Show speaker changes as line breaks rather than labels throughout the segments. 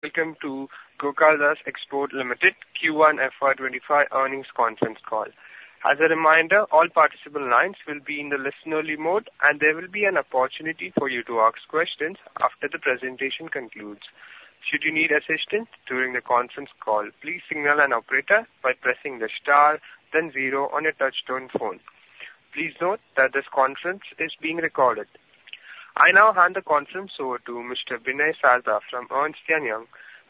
...Welcome to Gokaldas Exports Limited, Q1 FY25 Earnings Conference Call. As a reminder, all participant lines will be in the listen-only mode, and there will be an opportunity for you to ask questions after the presentation concludes. Should you need assistance during the conference call, please signal an operator by pressing the star then zero on your touchtone phone. Please note that this conference is being recorded. I now hand the conference over to Mr. Binay Sarda from Ernst & Young.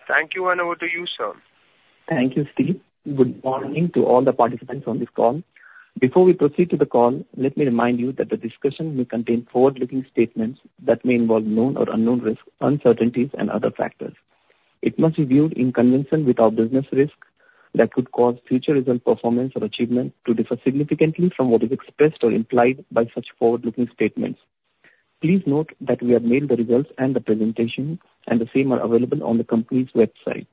Thank you, and over to you, sir.
Thank you, Steve. Good morning to all the participants on this call. Before we proceed to the call, let me remind you that the discussion will contain forward-looking statements that may involve known or unknown risks, uncertainties, and other factors. It must be viewed in conjunction with our business risks that could cause future results, performance, or achievement to differ significantly from what is expressed or implied by such forward-looking statements. Please note that we have mailed the results and the presentation, and the same are available on the company's website.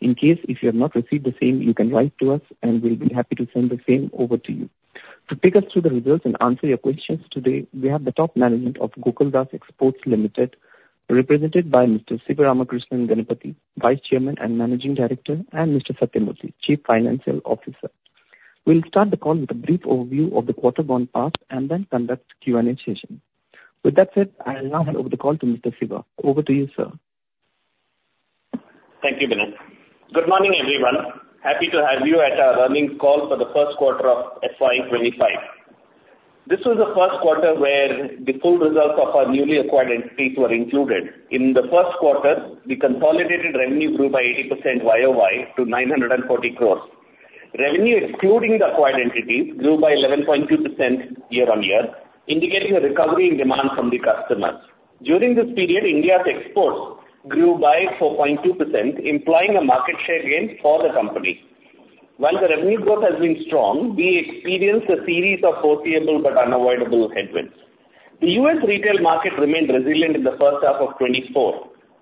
In case if you have not received the same, you can write to us, and we'll be happy to send the same over to you. To take us through the results and answer your questions today, we have the top management of Gokaldas Exports Limited, represented by Mr. Sivaramakrishnan Ganapathy, Vice Chairman and Managing Director, and Mr. Kumar, Chief Financial Officer. We'll start the call with a brief overview of the quarter gone past and then conduct Q&A session. With that said, I will now hand over the call to Mr. Siva. Over to you, sir.
Thank you, Binay. Good morning, everyone. Happy to have you at our earnings call for the first quarter of FY25. This was the first quarter where the full results of our newly acquired entities were included. In the first quarter, the consolidated revenue grew by 80% YOY to 940 crores. Revenue, excluding the acquired entities, grew by 11.2% year-on-year, indicating a recovery in demand from the customers. During this period, India's exports grew by 4.2%, implying a market share gain for the company. While the revenue growth has been strong, we experienced a series of foreseeable but unavoidable headwinds. The U.S. retail market remained resilient in the first half of 2024.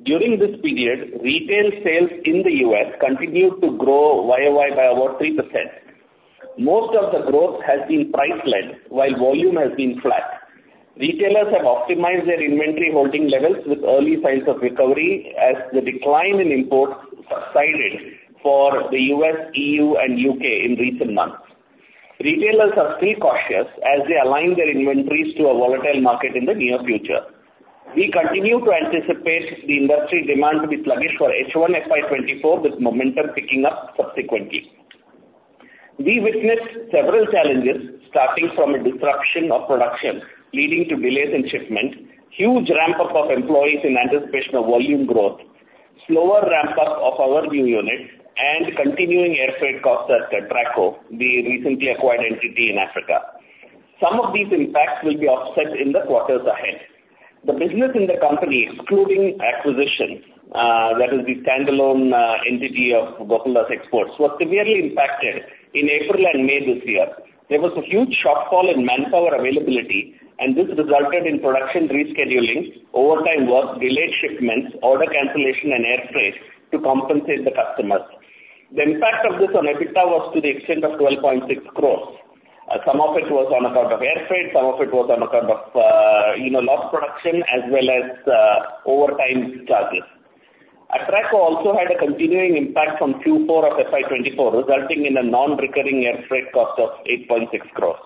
During this period, retail sales in the U.S. continued to grow YOY by over 3%. Most of the growth has been price-led, while volume has been flat. Retailers have optimized their inventory holding levels with early signs of recovery as the decline in imports subsided for the U.S., E.U., and U.K. in recent months. Retailers are still cautious as they align their inventories to a volatile market in the near future. We continue to anticipate the industry demand to be sluggish for H1 FY 2024, with momentum picking up subsequently. We witnessed several challenges, starting from a disruption of production, leading to delays in shipment, huge ramp-up of employees in anticipation of volume growth, slower ramp-up of our new unit, and continuing air freight costs at Atraco, the recently acquired entity in Africa. Some of these impacts will be offset in the quarters ahead. The business in the company, excluding acquisition, that is the standalone entity of Gokaldas Exports, was severely impacted in April and May this year. There was a huge shortfall in manpower availability, and this resulted in production rescheduling, overtime work, delayed shipments, order cancellation, and air freight to compensate the customers. The impact of this on EBITDA was to the extent of 12.6 crores. Some of it was on account of air freight, some of it was on account of, you know, lost production, as well as, overtime charges. Atraco also had a continuing impact from Q4 of FY 2024, resulting in a non-recurring air freight cost of 8.6 crores.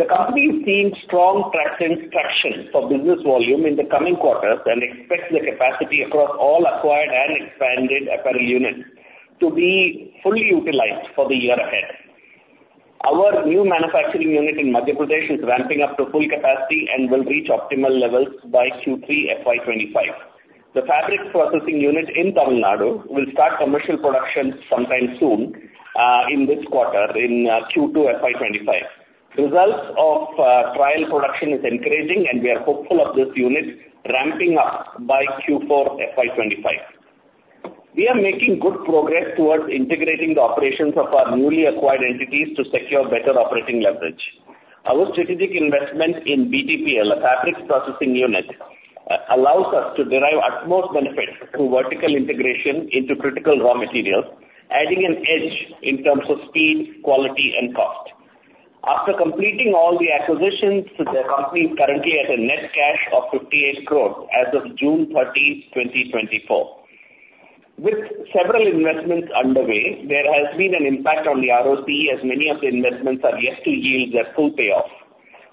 The company is seeing strong traction, traction for business volume in the coming quarters and expects the capacity across all acquired and expanded apparel units to be fully utilized for the year ahead. Our new manufacturing unit in Madhya Pradesh is ramping up to full capacity and will reach optimal levels by Q3 FY 2025. The fabric processing unit in Tamil Nadu will start commercial production sometime soon, in this quarter, in Q2 FY25. Results of trial production is encouraging, and we are hopeful of this unit ramping up by Q4 FY25. We are making good progress towards integrating the operations of our newly acquired entities to secure better operating leverage. Our strategic investment in BTPL, a fabric processing unit, allows us to derive utmost benefit through vertical integration into critical raw materials, adding an edge in terms of speed, quality, and cost. After completing all the acquisitions, the company is currently at a net cash of 58 crore as of June 30, 2024. With several investments underway, there has been an impact on the ROCE, as many of the investments are yet to yield their full payoff.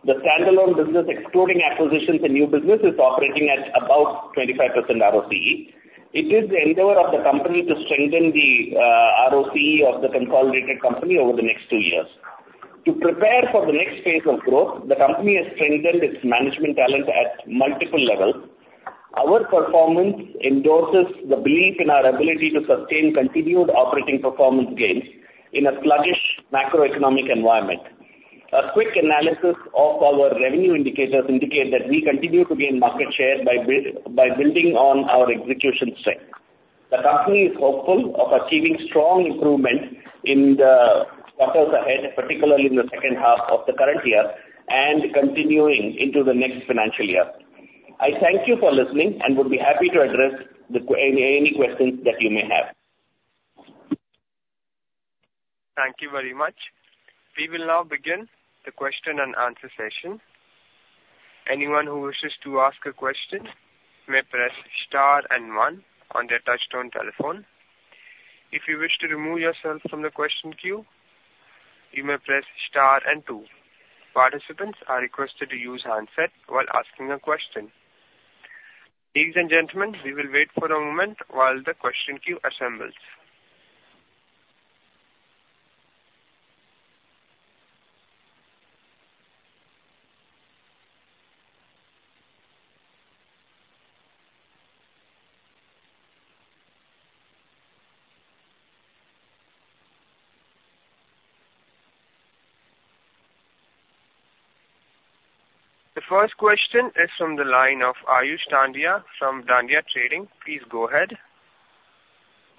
The standalone business, excluding acquisitions and new business, is operating at about 25% ROCE. It is the endeavor of the company to strengthen the ROCE of the consolidated company over the next two years. To prepare for the next phase of growth, the company has strengthened its management talent at multiple levels. Our performance endorses the belief in our ability to sustain continued operating performance gains in a sluggish macroeconomic environment. A quick analysis of our revenue indicators indicate that we continue to gain market share by building on our execution strength. The company is hopeful of achieving strong improvement in the quarters ahead, particularly in the second half of the current year and continuing into the next financial year. I thank you for listening and would be happy to address any questions that you may have.
...Thank you very much. We will now begin the question-and-answer session. Anyone who wishes to ask a question may press star and one on their touchtone telephone. If you wish to remove yourself from the question queue, you may press star and two. Participants are requested to use handset while asking a question. Ladies and gentlemen, we will wait for a moment while the question queue assembles. The first question is from the line of Ayush Dandia, from Dandia Trading. Please go ahead.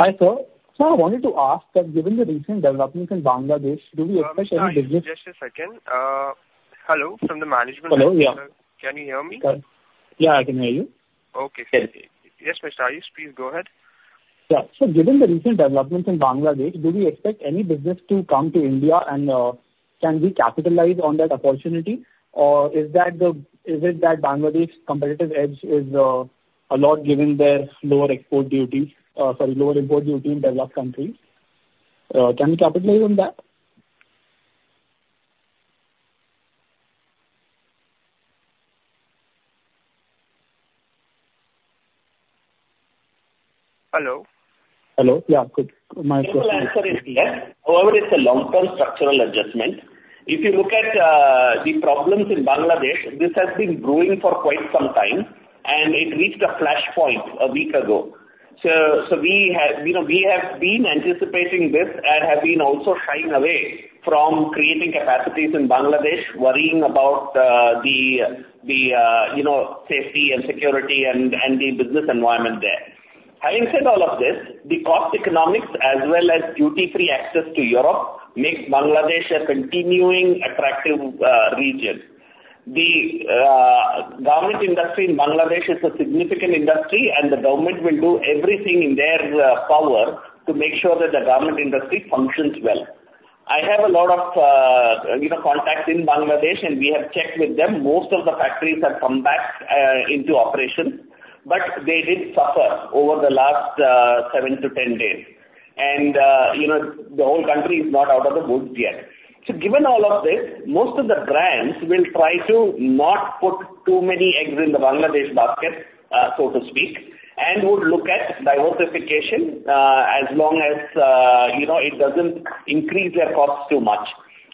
Hi, sir. Sir, I wanted to ask that given the recent developments in Bangladesh, do we expect any business-
Just a second. Hello from the management-
Hello. Yeah.
Can you hear me?
Yeah, I can hear you.
Okay.
Yes.
Yes, Mr. Ayush, please go ahead.
Yeah. So given the recent developments in Bangladesh, do we expect any business to come to India, and, can we capitalize on that opportunity? Or is that the... Is it that Bangladesh competitive edge is, a lot given their lower export duty, sorry, lower export duty in developed countries? Can we capitalize on that?
Hello?
Hello. Yeah, my question-
The answer is yes. However, it's a long-term structural adjustment. If you look at the problems in Bangladesh, this has been brewing for quite some time, and it reached a flashpoint a week ago. So we have, you know, we have been anticipating this and have been also shying away from creating capacities in Bangladesh, worrying about the you know, safety and security and the business environment there. Having said all of this, the cost economics as well as duty-free access to Europe, makes Bangladesh a continuing attractive region. The garment industry in Bangladesh is a significant industry, and the government will do everything in their power to make sure that the garment industry functions well. I have a lot of you know, contacts in Bangladesh, and we have checked with them. Most of the factories have come back into operation, but they did suffer over the last seven to 10 days. And you know, the whole country is not out of the woods yet. So given all of this, most of the brands will try to not put too many eggs in the Bangladesh basket, so to speak, and would look at diversification, as long as you know, it doesn't increase their costs too much.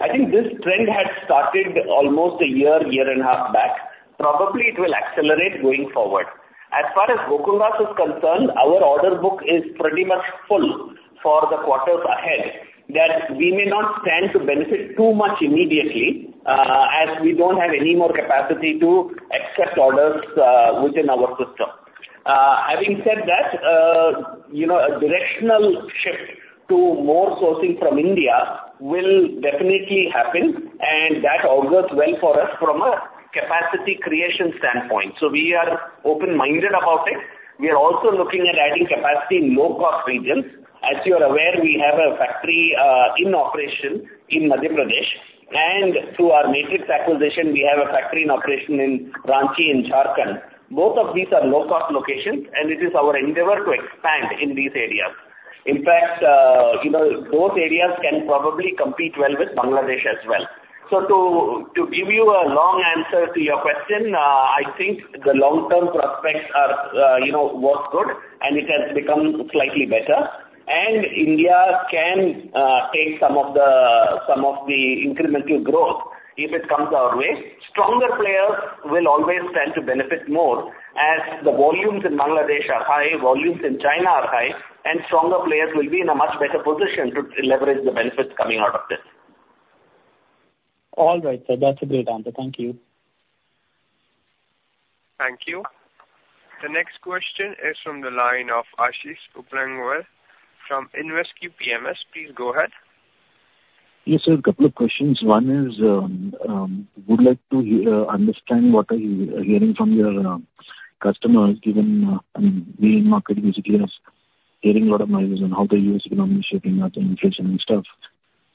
I think this trend had started almost a year, year and a half back. Probably it will accelerate going forward. As far as Gokaldas is concerned, our order book is pretty much full for the quarters ahead, that we may not stand to benefit too much immediately, as we don't have any more capacity to accept orders within our system. Having said that, you know, a directional shift to more sourcing from India will definitely happen, and that augurs well for us from a capacity creation standpoint. So we are open-minded about it. We are also looking at adding capacity in low-cost regions. As you are aware, we have a factory in operation in Madhya Pradesh, and through our Matrix acquisition, we have a factory in operation in Ranchi, in Jharkhand. Both of these are low-cost locations, and it is our endeavor to expand in these areas. In fact, you know, both areas can probably compete well with Bangladesh as well. So, to give you a long answer to your question, I think the long-term prospects are, you know, was good, and it has become slightly better. India can take some of the, some of the incremental growth if it comes our way. Stronger players will always stand to benefit more, as the volumes in Bangladesh are high, volumes in China are high, and stronger players will be in a much better position to leverage the benefits coming out of this.
All right, sir, that's a great answer. Thank you.
Thank you. The next question is from the line of Aashish Upganlawar from InvesQ PMS. Please go ahead.
Yes, sir, a couple of questions. One is, would like to hear, understand what are you hearing from your, customers, given, the market is again, hearing a lot of noises on how the U.S. economy is shaping up and inflation and stuff.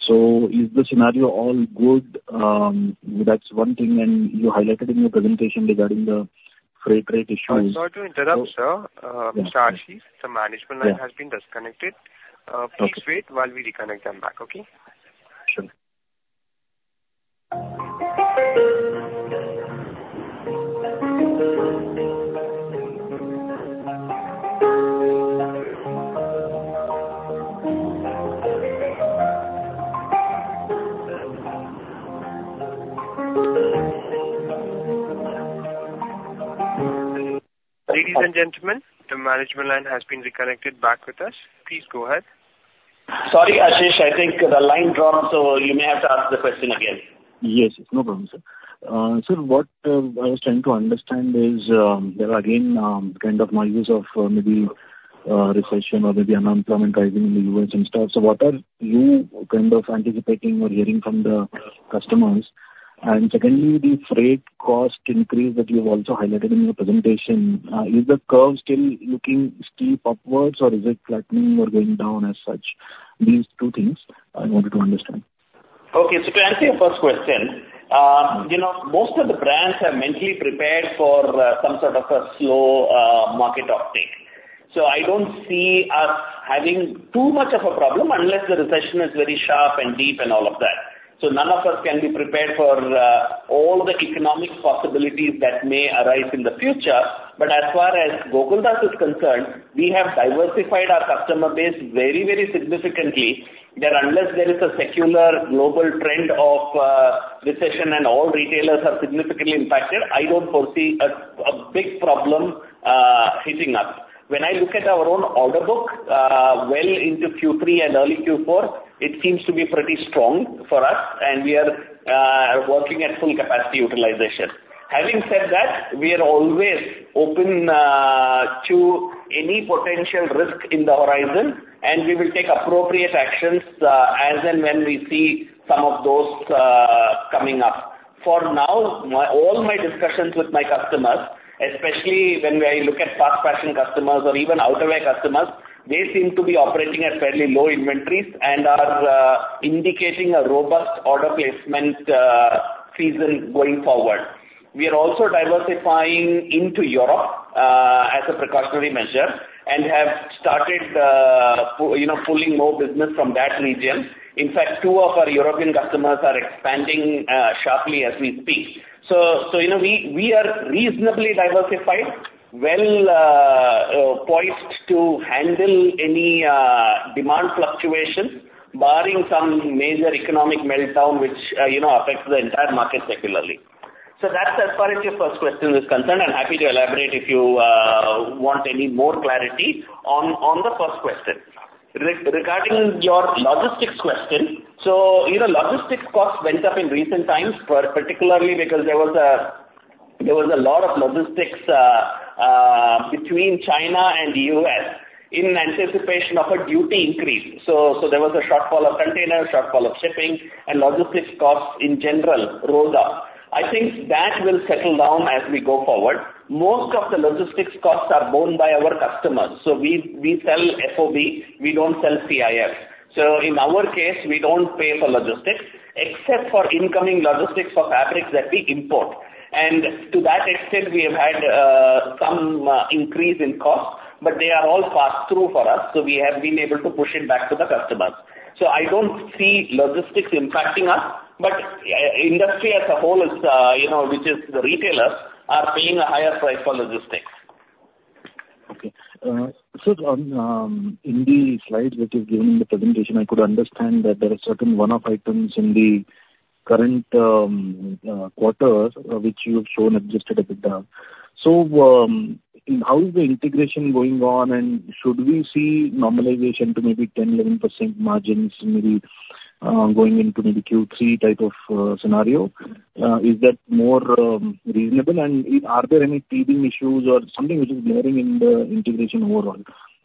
So is the scenario all good? That's one thing, and you highlighted in your presentation regarding the freight rate issues.
Sorry to interrupt, sir. Ashish, the management line-
Yeah.
has been disconnected.
Okay.
Please wait while we reconnect them back. Okay?
Sure.
Ladies and gentlemen, the management line has been reconnected back with us. Please go ahead.
Sorry, Ashish, I think the line dropped, so you may have to ask the question again.
Yes, no problem, sir. Sir, what I was trying to understand is, there are again kind of noises of maybe recession or maybe unemployment rising in the U.S. and stuff. So what are you kind of anticipating or hearing from the customers?... And secondly, the freight cost increase that you've also highlighted in your presentation, is the curve still looking steep upwards, or is it flattening or going down as such? These two things I wanted to understand.
Okay. So to answer your first question, you know, most of the brands are mentally prepared for some sort of a slow market uptake. So I don't see us having too much of a problem unless the recession is very sharp and deep and all of that. So none of us can be prepared for all the economic possibilities that may arise in the future. But as far as Gokaldas is concerned, we have diversified our customer base very, very significantly, that unless there is a secular global trend of recession and all retailers are significantly impacted, I don't foresee a big problem hitting us. When I look at our own order book, well into Q3 and early Q4, it seems to be pretty strong for us, and we are working at full capacity utilization. Having said that, we are always open to any potential risk in the horizon, and we will take appropriate actions as and when we see some of those coming up. For now, all my discussions with my customers, especially when I look at fast fashion customers or even outerwear customers, they seem to be operating at fairly low inventories and are indicating a robust order placement season going forward. We are also diversifying into Europe as a precautionary measure and have started you know, pulling more business from that region. In fact, two of our European customers are expanding sharply as we speak. So, you know, we are reasonably diversified, well poised to handle any demand fluctuations, barring some major economic meltdown which you know, affects the entire market secularly. So that's as far as your first question is concerned. I'm happy to elaborate if you want any more clarity on the first question. Regarding your logistics question, so, you know, logistics costs went up in recent times, particularly because there was a lot of logistics between China and the U.S. in anticipation of a duty increase. So there was a shortfall of containers, shortfall of shipping, and logistics costs in general rose up. I think that will settle down as we go forward. Most of the logistics costs are borne by our customers, so we sell FOB, we don't sell CIF. So in our case, we don't pay for logistics, except for incoming logistics for fabrics that we import. To that extent, we have had some increase in costs, but they are all passed through for us, so we have been able to push it back to the customers. So I don't see logistics impacting us, but industry as a whole is, you know, which is the retailers, are paying a higher price for logistics.
Okay. So on in the slides which is given in the presentation, I could understand that there are certain one-off items in the current quarters, which you have shown adjusted EBITDA. So, how is the integration going on, and should we see normalization to maybe 10%-11% margins maybe, going into maybe Q3 type of scenario? Is that more reasonable, and are there any teething issues or something which is glaring in the integration overall?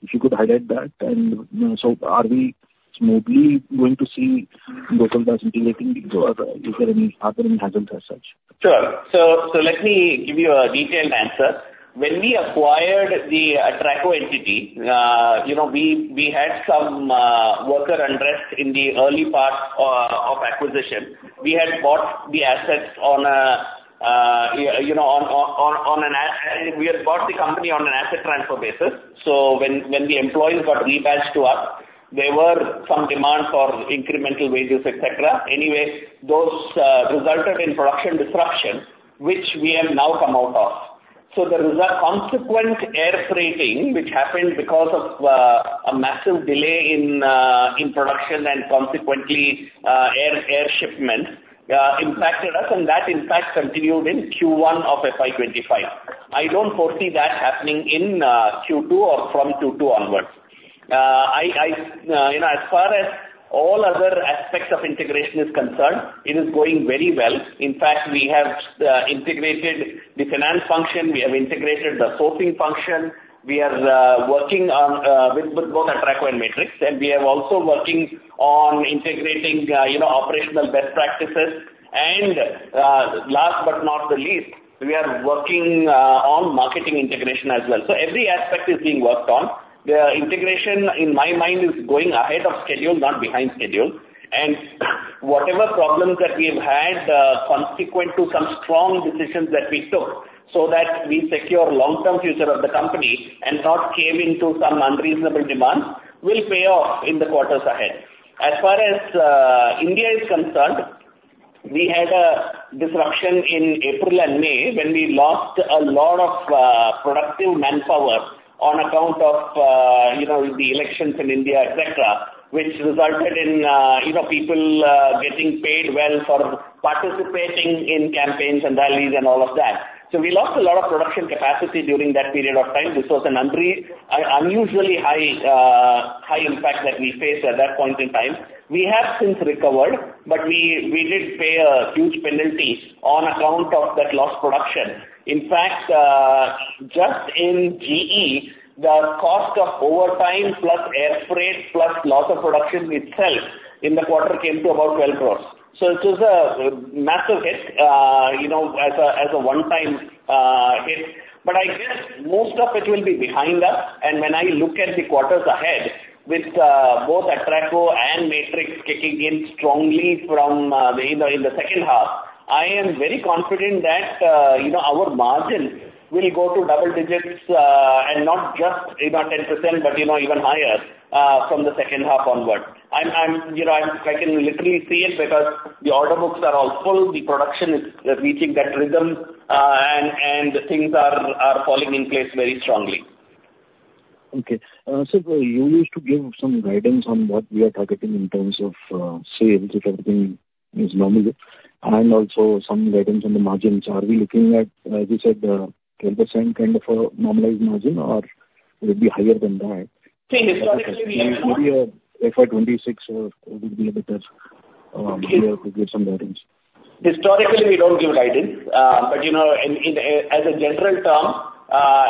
If you could highlight that, and so are we smoothly going to see Gokaldas integrating, or are there any other enhancements as such?
Sure. So, so let me give you a detailed answer. When we acquired the Atraco entity, you know, we had some worker unrest in the early part of acquisition. We had bought the assets on a, you know, on an asset transfer basis, so when the employees got re-badged to us, there were some demands for incremental wages, et cetera. Anyways, those resulted in production disruptions, which we have now come out of. So the result, consequent air freighting, which happened because of a massive delay in production and consequently air shipments impacted us, and that impact continued in Q1 of FY25. I don't foresee that happening in Q2 or from Q2 onwards. You know, as far as all other aspects of integration is concerned, it is going very well. In fact, we have integrated the finance function, we have integrated the sourcing function. We are working on with both Atraco and Matrix, and we are also working on integrating you know, operational best practices. And last but not the least, we are working on marketing integration as well. So every aspect is being worked on. The integration, in my mind, is going ahead of schedule, not behind schedule. Whatever problems that we've had consequent to some strong decisions that we took so that we secure long-term future of the company and not cave into some unreasonable demand, will pay off in the quarters ahead. As far as India is concerned, we had a disruption in April and May when we lost a lot of productive manpower on account of you know, the elections in India, et cetera, which resulted in you know, people getting paid well for participating in campaigns and rallies and all of that. So we lost a lot of production capacity during that period of time. This was an unusually high impact that we faced at that point in time. We have since recovered, but we did pay huge penalties on account of that lost production. In fact, just in GE, the cost of overtime, plus air freight, plus loss of production itself in the quarter came to about 12 crore. So it was a massive hit you know, as a one-time hit. But I guess most of it will be behind us, and when I look at the quarters ahead with both Atraco and Matrix kicking in strongly from the second half, I am very confident that, you know, our margin will go to double digits and not just, you know, 10%, but, you know, even higher from the second half onward. I can literally see it because the order books are all full, the production is reaching that rhythm and things are falling in place very strongly.
Okay. So you used to give some guidance on what we are targeting in terms of sales, if everything is normal, and also some guidance on the margins. Are we looking at, as you said, 10% kind of a normalized margin, or will it be higher than that?
See, historically, we-
Maybe, FY 2026 would be a better year to give some guidance.
Historically, we don't give guidance. But, you know, in as a general term,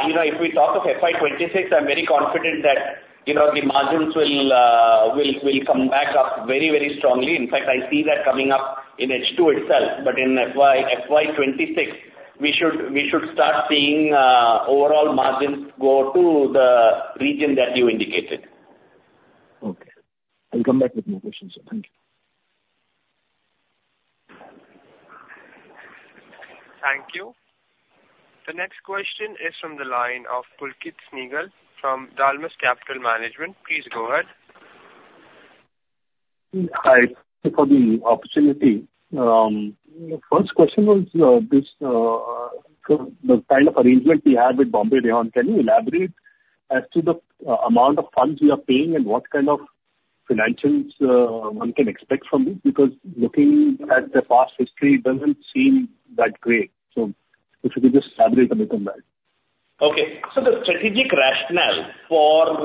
you know, if we talk of FY26, I'm very confident that, you know, the margins will come back up very, very strongly. In fact, I see that coming up in H2 itself. But in FY26, we should start seeing overall margins go to the region that you indicated.
Okay. I'll come back with more questions. Thank you.
Thank you. The next question is from the line of Pulkit Singhal from Dalmus Capital Management. Please go ahead.
Hi, thank you for the opportunity. The first question was the kind of arrangement we have with Bombay Rayon. Can you elaborate as to the amount of funds we are paying and what kind of financials one can expect from it? Because looking at the past history, it doesn't seem that great. So if you could just elaborate a bit on that.
Okay. So the strategic rationale for,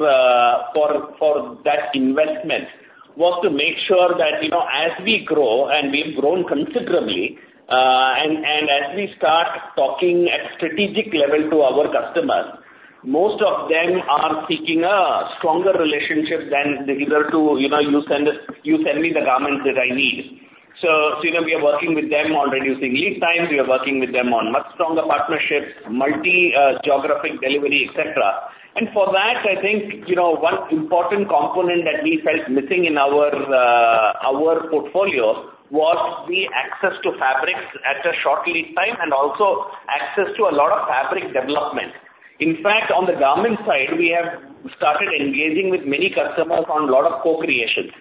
for, for that investment was to make sure that, you know, as we grow, and we've grown considerably, and, and as we start talking at strategic level to our customers, most of them are seeking a stronger relationship than the either to, you know, you send us, you send me the garments that I need. So, so you know, we are working with them on reducing lead times, we are working with them on much stronger partnerships, multi, geographic delivery, et cetera. And for that, I think, you know, one important component that we felt missing in our, our portfolio was the access to fabrics at a short lead time, and also access to a lot of fabric development. In fact, on the garment side, we have started engaging with many customers on a lot of co-creations.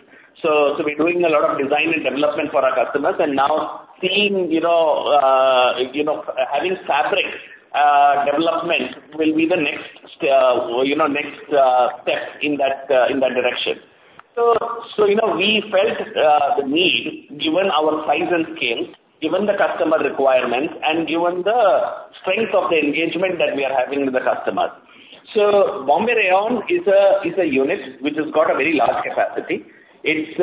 So, we're doing a lot of design and development for our customers, and now seeing, you know, you know, having fabric development will be the next, you know, next step in that, in that direction. So, you know, we felt the need, given our size and scale, given the customer requirements, and given the strength of the engagement that we are having with the customers. So Bombay Rayon is a unit which has got a very large capacity. It's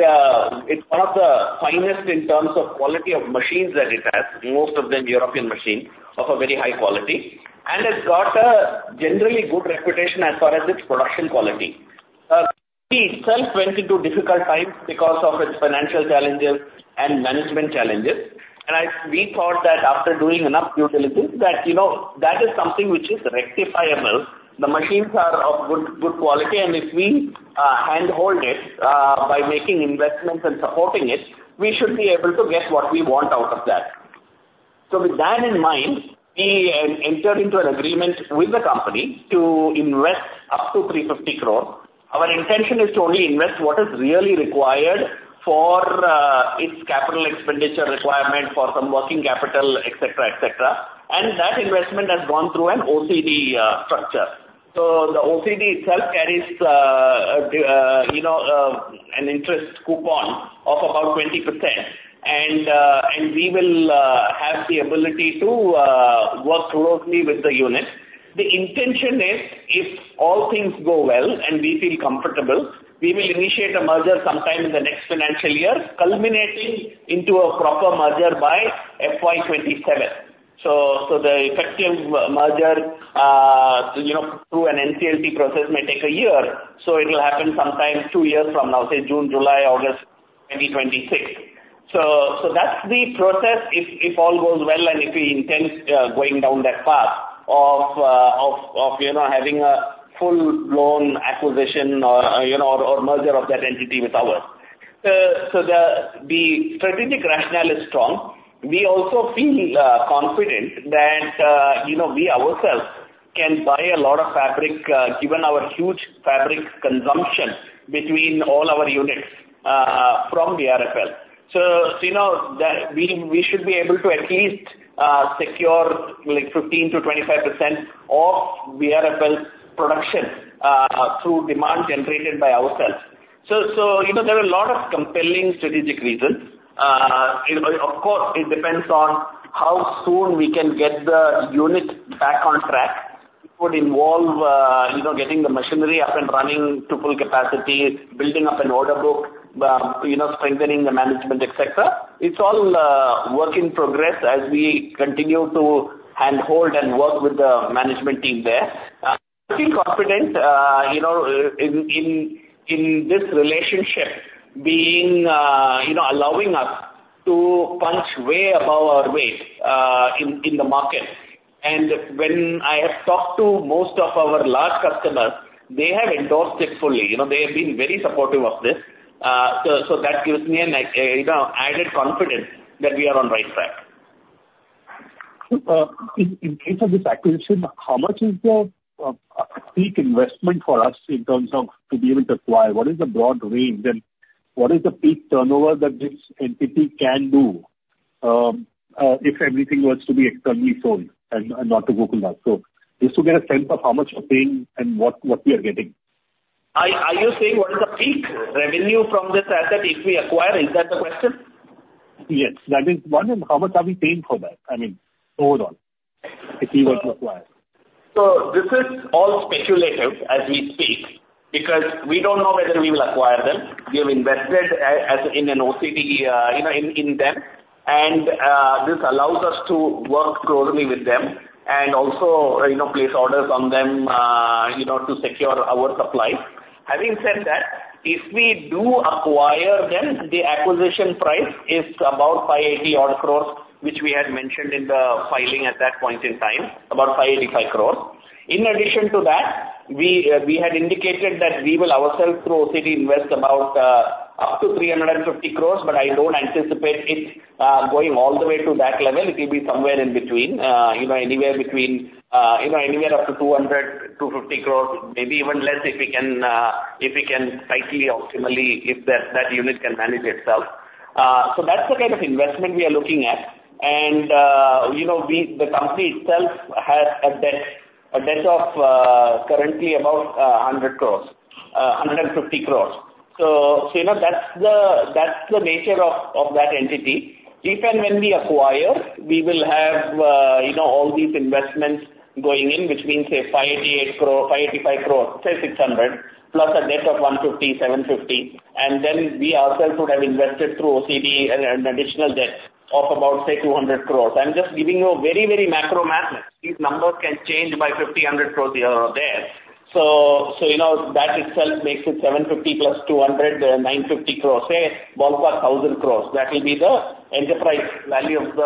one of the finest in terms of quality of machines that it has, most of them European machines of a very high quality, and it's got a generally good reputation as far as its production quality. It itself went into difficult times because of its financial challenges and management challenges. We thought that after doing enough due diligence, that, you know, that is something which is rectifiable. The machines are of good, good quality, and if we handhold it by making investments and supporting it, we should be able to get what we want out of that. So with that in mind, we entered into an agreement with the company to invest up to 350 crore. Our intention is to only invest what is really required for its capital expenditure requirement, for some working capital, et cetera, et cetera. And that investment has gone through an OCD structure. So the OCD itself carries, you know, an interest coupon of about 20%, and we will have the ability to work closely with the unit. The intention is, if all things go well and we feel comfortable, we will initiate a merger sometime in the next financial year, culminating into a proper merger by FY27. So the effective merger, you know, through an NCLT process may take a year, so it will happen sometime two years from now, say June, July, August 2026. So that's the process if all goes well, and if we intend going down that path of, you know, having a full-blown acquisition or, you know, or merger of that entity with ours. So the strategic rationale is strong. We also feel confident that, you know, we ourselves can buy a lot of fabric, given our huge fabric consumption between all our units, from BRFL. So, you know, that we should be able to at least secure like 15%-25% of BRFL's production through demand generated by ourselves. So, you know, there are a lot of compelling strategic reasons. You know, of course, it depends on how soon we can get the unit back on track. It would involve you know, getting the machinery up and running to full capacity, building up an order book, you know, strengthening the management, et cetera. It's all work in progress as we continue to handhold and work with the management team there. I feel confident, you know, in this relationship being you know, allowing us to punch way above our weight in the market. And when I have talked to most of our large customers, they have endorsed it fully. You know, they have been very supportive of this. So that gives me an, you know, added confidence that we are on right track.
In case of this acquisition, how much is the peak investment for us in terms of to be able to acquire? What is the broad range, and what is the peak turnover that this entity can do, if everything was to be externally sold and not to go to us? So just to get a sense of how much we're paying and what we are getting.
Are you saying what is the peak revenue from this asset, if we acquire? Is that the question?
Yes. That is one, and how much are we paying for that? I mean, overall, if we were to acquire.
So this is all speculative as we speak, because we don't know whether we will acquire them. We have invested as in an OCD, you know, in, in them, and, this allows us to work closely with them and also, you know, place orders on them, you know, to secure our supplies. Having said that, if we do acquire them, the acquisition price is about 580 odd crores, which we had mentioned in the filing at that point in time, about 585 crores. In addition to that, we, we had indicated that we will ourselves through OCD, invest about, up to 350 crores, but I don't anticipate it, going all the way to that level. It will be somewhere in between, you know, anywhere between, you know, anywhere up to 200-250 crore, maybe even less, if we can, if we can tightly, optimally, if that, that unit can manage itself. So that's the kind of investment we are looking at. You know, we, the company itself has a debt, a debt of, currently about, hundred crores, hundred and fifty crores. So you know, that's the, that's the nature of, of that entity. If and when we acquire, we will have, you know, all these investments going in, which means, say, 588 crore, 585 crore, say 600 crore, plus a debt of 150 crore, 750 crore, and then we ourselves would have invested through OCD an, an additional debt of about, say, 200 crore. I'm just giving you a very, very macro math. These numbers can change by 50-100 crores there. So, you know, that itself makes it 750+200, 950 crores, say ballpark 1,000 crores. That will be the enterprise value of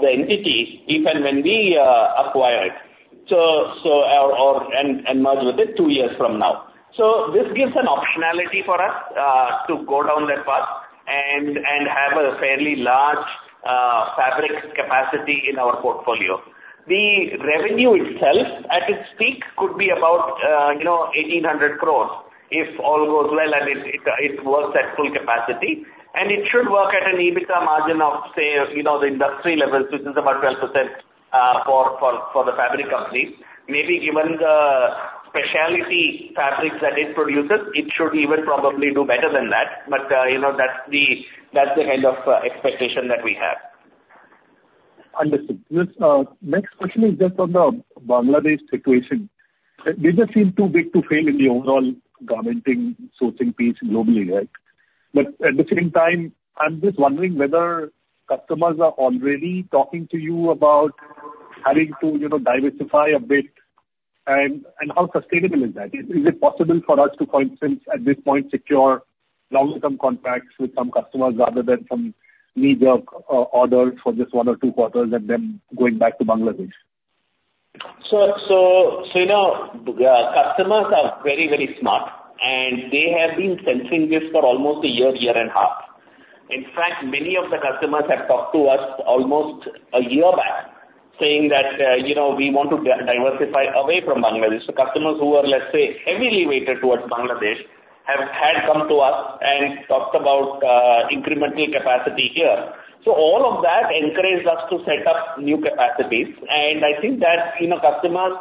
the entity if and when we acquire it, or merge with it two years from now. So this gives an optionality for us to go down that path and have a fairly large fabric capacity in our portfolio. The revenue itself, at its peak, could be about, you know, 1,800 crores, if all goes well and it works at full capacity. It should work at an EBITDA margin of, say, you know, the industry levels, which is about 12%, for the fabric companies. Maybe given the specialty fabrics that it produces, it should even probably do better than that. But, you know, that's the kind of expectation that we have.
Understood. This next question is just on the Bangladesh situation. They just seem too big to fail in the overall garment sourcing piece globally, right? But at the same time, I'm just wondering whether customers are already talking to you about having to, you know, diversify a bit, and how sustainable is that? Is it possible for us to, for instance, at this point, secure longer-term contracts with some customers rather than some knee-jerk orders for just one or two quarters and then going back to Bangladesh?
So, you know, customers are very, very smart, and they have been sensing this for almost a year, year and a half. In fact, many of the customers have talked to us almost a year back, saying that, you know, "We want to diversify away from Bangladesh." The customers who are, let's say, heavily weighted towards Bangladesh, had come to us and talked about incremental capacity here. So all of that encouraged us to set up new capacities. And I think that, you know, customers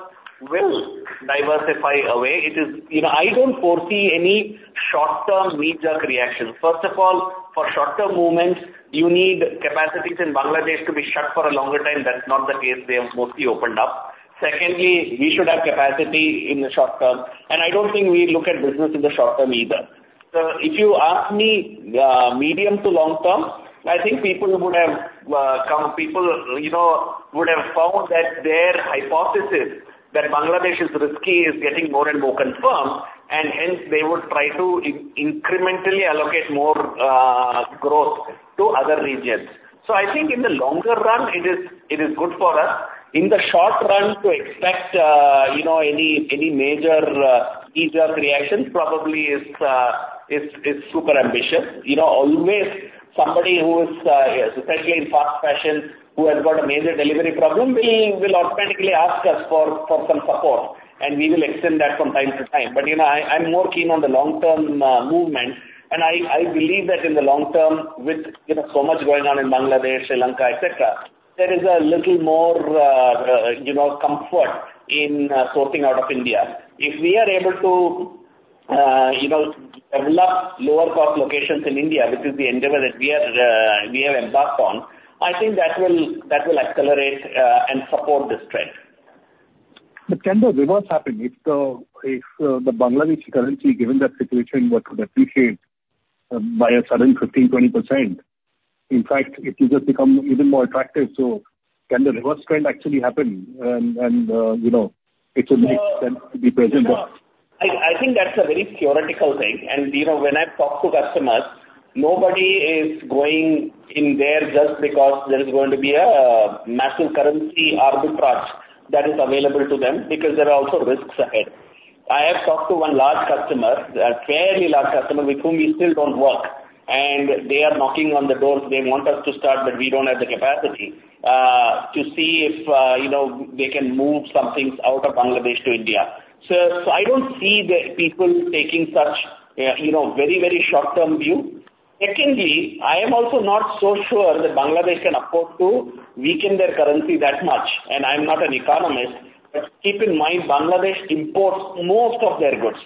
will diversify away. It is. You know, I don't foresee any short-term knee-jerk reactions. First of all, for short-term movements, you need capacities in Bangladesh to be shut for a longer time. That's not the case. They have mostly opened up. Secondly, we should have capacity in the short term, and I don't think we look at business in the short term either. So if you ask me, medium to long term, I think people would have found that their hypothesis that Bangladesh is risky is getting more and more confirmed, and hence they would try to incrementally allocate more growth to other regions. So I think in the longer run, it is good for us. In the short run, to expect, you know, any major knee-jerk reactions probably is super ambitious. You know, always somebody who is, especially in fast fashion, who has got a major delivery problem, will automatically ask us for some support, and we will extend that from time to time. But, you know, I, I'm more keen on the long-term movement, and I, I believe that in the long term with, you know, so much going on in Bangladesh, Sri Lanka, et cetera, there is a little more, you know, comfort in sourcing out of India. If we are able to, you know, develop lower cost locations in India, which is the endeavor that we are, we have embarked on, I think that will, that will accelerate, and support this trend.
Can the reverse happen if the Bangladeshi currency, given that situation, were to depreciate by a sudden 15%-20%? In fact, it will just become even more attractive, so can the reverse trend actually happen? You know, it will make sense to be present there.
I think that's a very theoretical thing. And, you know, when I talk to customers, nobody is going in there just because there is going to be a massive currency arbitrage that is available to them, because there are also risks ahead. I have talked to one large customer, a fairly large customer, with whom we still don't work, and they are knocking on the doors. They want us to start, but we don't have the capacity to see if, you know, they can move some things out of Bangladesh to India. So I don't see the people taking such, you know, very, very short-term view. Secondly, I am also not so sure that Bangladesh can afford to weaken their currency that much, and I'm not an economist. But keep in mind, Bangladesh imports most of their goods,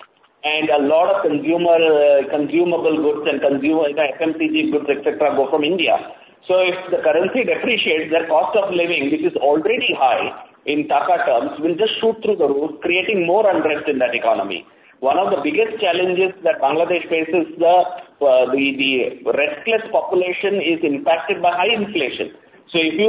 and a lot of consumer, consumable goods and consumer, like, FMCG goods, et cetera, go from India. So if the currency depreciates, their cost of living, which is already high in Taka terms, will just shoot through the roof, creating more unrest in that economy. One of the biggest challenges that Bangladesh faces is the restless population is impacted by high inflation. So if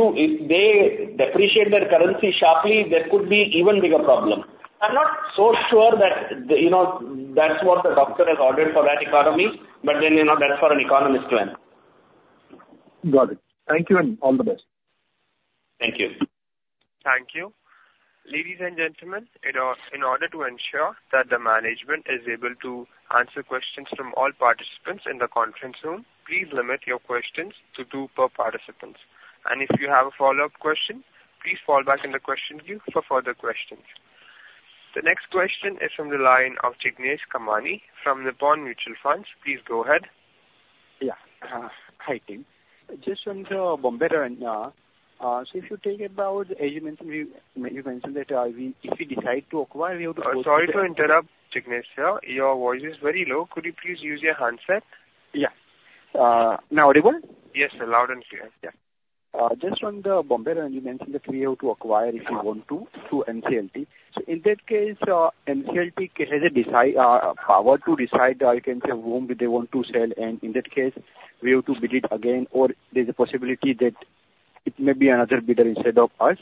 they depreciate their currency sharply, there could be even bigger problem. I'm not so sure that, you know, that's what the doctor has ordered for that economy, but then, you know, that's for an economist to answer.
Got it. Thank you, and all the best.
Thank you.
Thank you. Ladies and gentlemen, in order to ensure that the management is able to answer questions from all participants in the conference room, please limit your questions to two per participant. And if you have a follow-up question, please fall back in the question queue for further questions. The next question is from the line of Jignesh Kamani from Nippon India Mutual Fund. Please go ahead.
Yeah. Hi, team. Just from the Bombay Rayon, so if you think about, as you mentioned, we, you mentioned that, we, if we decide to acquire, we have to-
Sorry to interrupt, Jignesh. Your voice is very low. Could you please use your handset?
Yeah. Now audible?
Yes, loud and clear. Yeah.
Just on the Bombay Rayon, you mentioned that we have to acquire it if we want to, through NCLT. So in that case, NCLT has a decide power to decide, you can say, whom they want to sell, and in that case, we have to bid it again, or there's a possibility that it may be another bidder instead of us.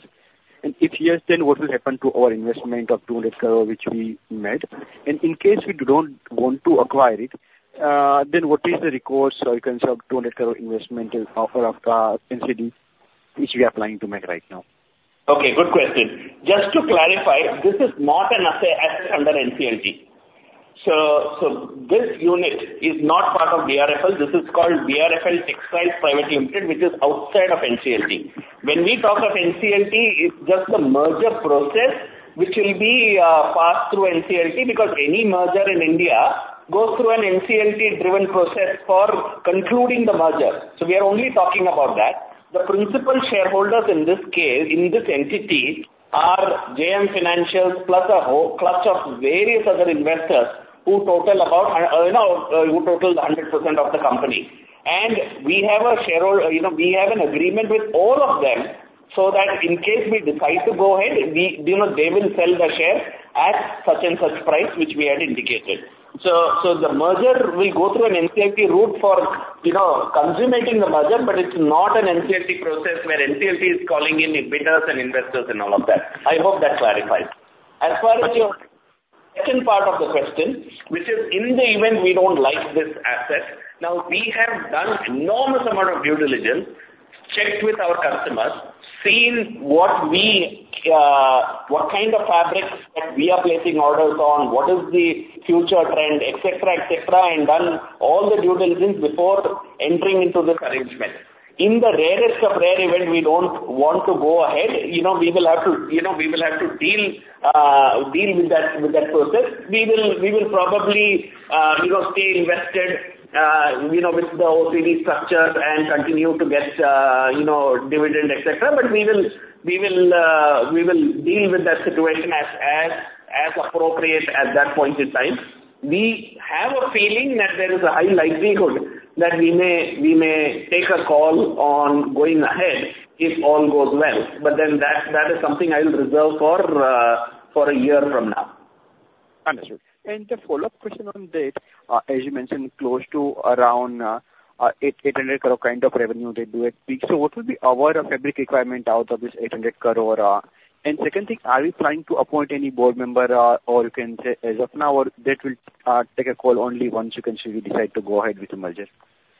And if yes, then what will happen to our investment of 200 crore, which we made? And in case we don't want to acquire it, then what is the recourse or you can say of INR 200 crore investment offer of OCD, which we are planning to make right now?
Okay, good question. Just to clarify, this is not an asset under NCLT. So this unit is not part of BRFL. This is called BRFL Textiles Private Limited, which is outside of NCLT. When we talk of NCLT, it's just the merger process, which will be passed through NCLT, because any merger in India goes through an NCLT-driven process for concluding the merger. So we are only talking about that. The principal shareholders in this case, in this entity, are JM Financial plus a whole clutch of various other investors, who total about, you know, who total 100% of the company. And we have a sharehold... You know, we have an agreement with all of them, so that in case we decide to go ahead, we, you know, they will sell the shares at such and such price, which we had indicated. So the merger will go through an NCLT route for, you know, consummating the merger, but it's not an NCLT process, where NCLT is calling in the bidders and investors and all of that. I hope that's clarified. As far as your second part of the question, which is in the event we don't like this asset, now, we have done enormous amount of due diligence, checked with our customers, seen what we, what kind of fabrics that we are placing orders on, what is the future trend, et cetera, et cetera, and done all the due diligence before entering into this arrangement. In the rarest of rare event, we don't want to go ahead, you know, we will have to, you know, we will have to deal, deal with that, with that process. We will, we will probably, you know, stay invested, you know, with the OCD structures and continue to get, you know, dividend, et cetera. But we will, we will, we will deal with that situation as, as, as appropriate at that point in time. We have a feeling that there is a high likelihood that we may, we may take a call on going ahead if all goes well, but then that, that is something I will reserve for, for a year from now.
Understood. And a follow-up question on this. As you mentioned, close to around eight hundred crore kind of revenue they do it. So what will be our fabric requirement out of this 800 crore? And second thing, are we planning to appoint any board member, or you can say as of now, or that will take a call only once you can say we decide to go ahead with the merger?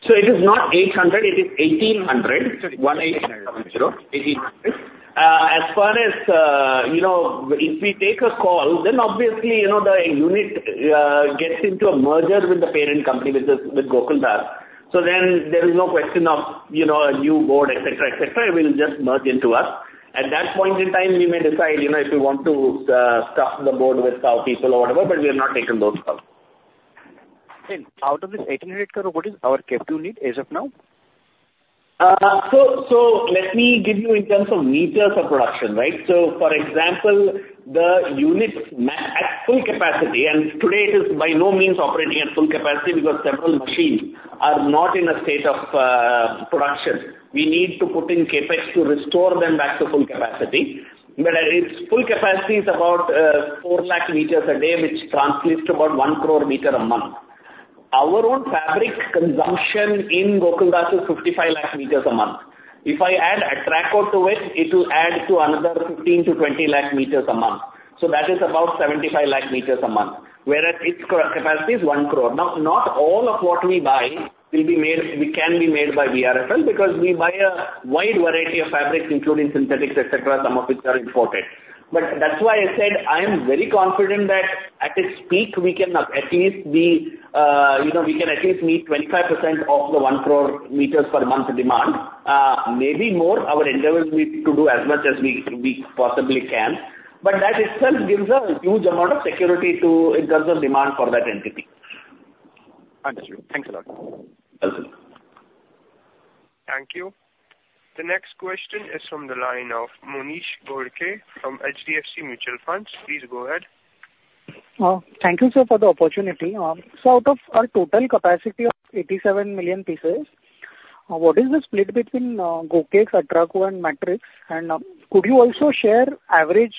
It is not 800, it is 1800.
Sorry.
180, 1,800. As far as, you know, if we take a call, then obviously, you know, the unit gets into a merger with the parent company, with the, with Gokaldas. So then there is no question of, you know, a new board, et cetera, et cetera. It will just merge into us. At that point in time, we may decide, you know, if we want to staff the board with our people or whatever, but we have not taken those calls.
Out of this 1,800 crore, what is our capital need as of now?
So, so let me give you in terms of meters of production, right? So for example, the units at full capacity, and today it is by no means operating at full capacity because several machines are not in a state of production. We need to put in CapEx to restore them back to full capacity. But its full capacity is about 4 lakh meters a day, which translates to about 1 crore meters a month. Our own fabric consumption in Gokaldas is 55 lakh meters a month. If I add Atraco to it, it will add to another 15-20 lakh meters a month, so that is about 75 lakh meters a month, whereas its capacity is 1 crore. Now, not all of what we buy will be made, can be made by BRFL, because we buy a wide variety of fabrics, including synthetics, et cetera, some of which are imported. But that's why I said I am very confident that at its peak we can at least be, you know, we can at least meet 25% of the 1 crore meters per month demand. Maybe more. Our endeavors will be to do as much as we, we possibly can. But that itself gives a huge amount of security to in terms of demand for that entity.
Understood. Thanks a lot.
Welcome.
Thank you. The next question is from the line of Monish Ghodke from HDFC Mutual Fund. Please go ahead.
Thank you, sir, for the opportunity. So out of our total capacity of 87 million pieces, what is the split between Gokaldas, Atraco and Matrix? And could you also share average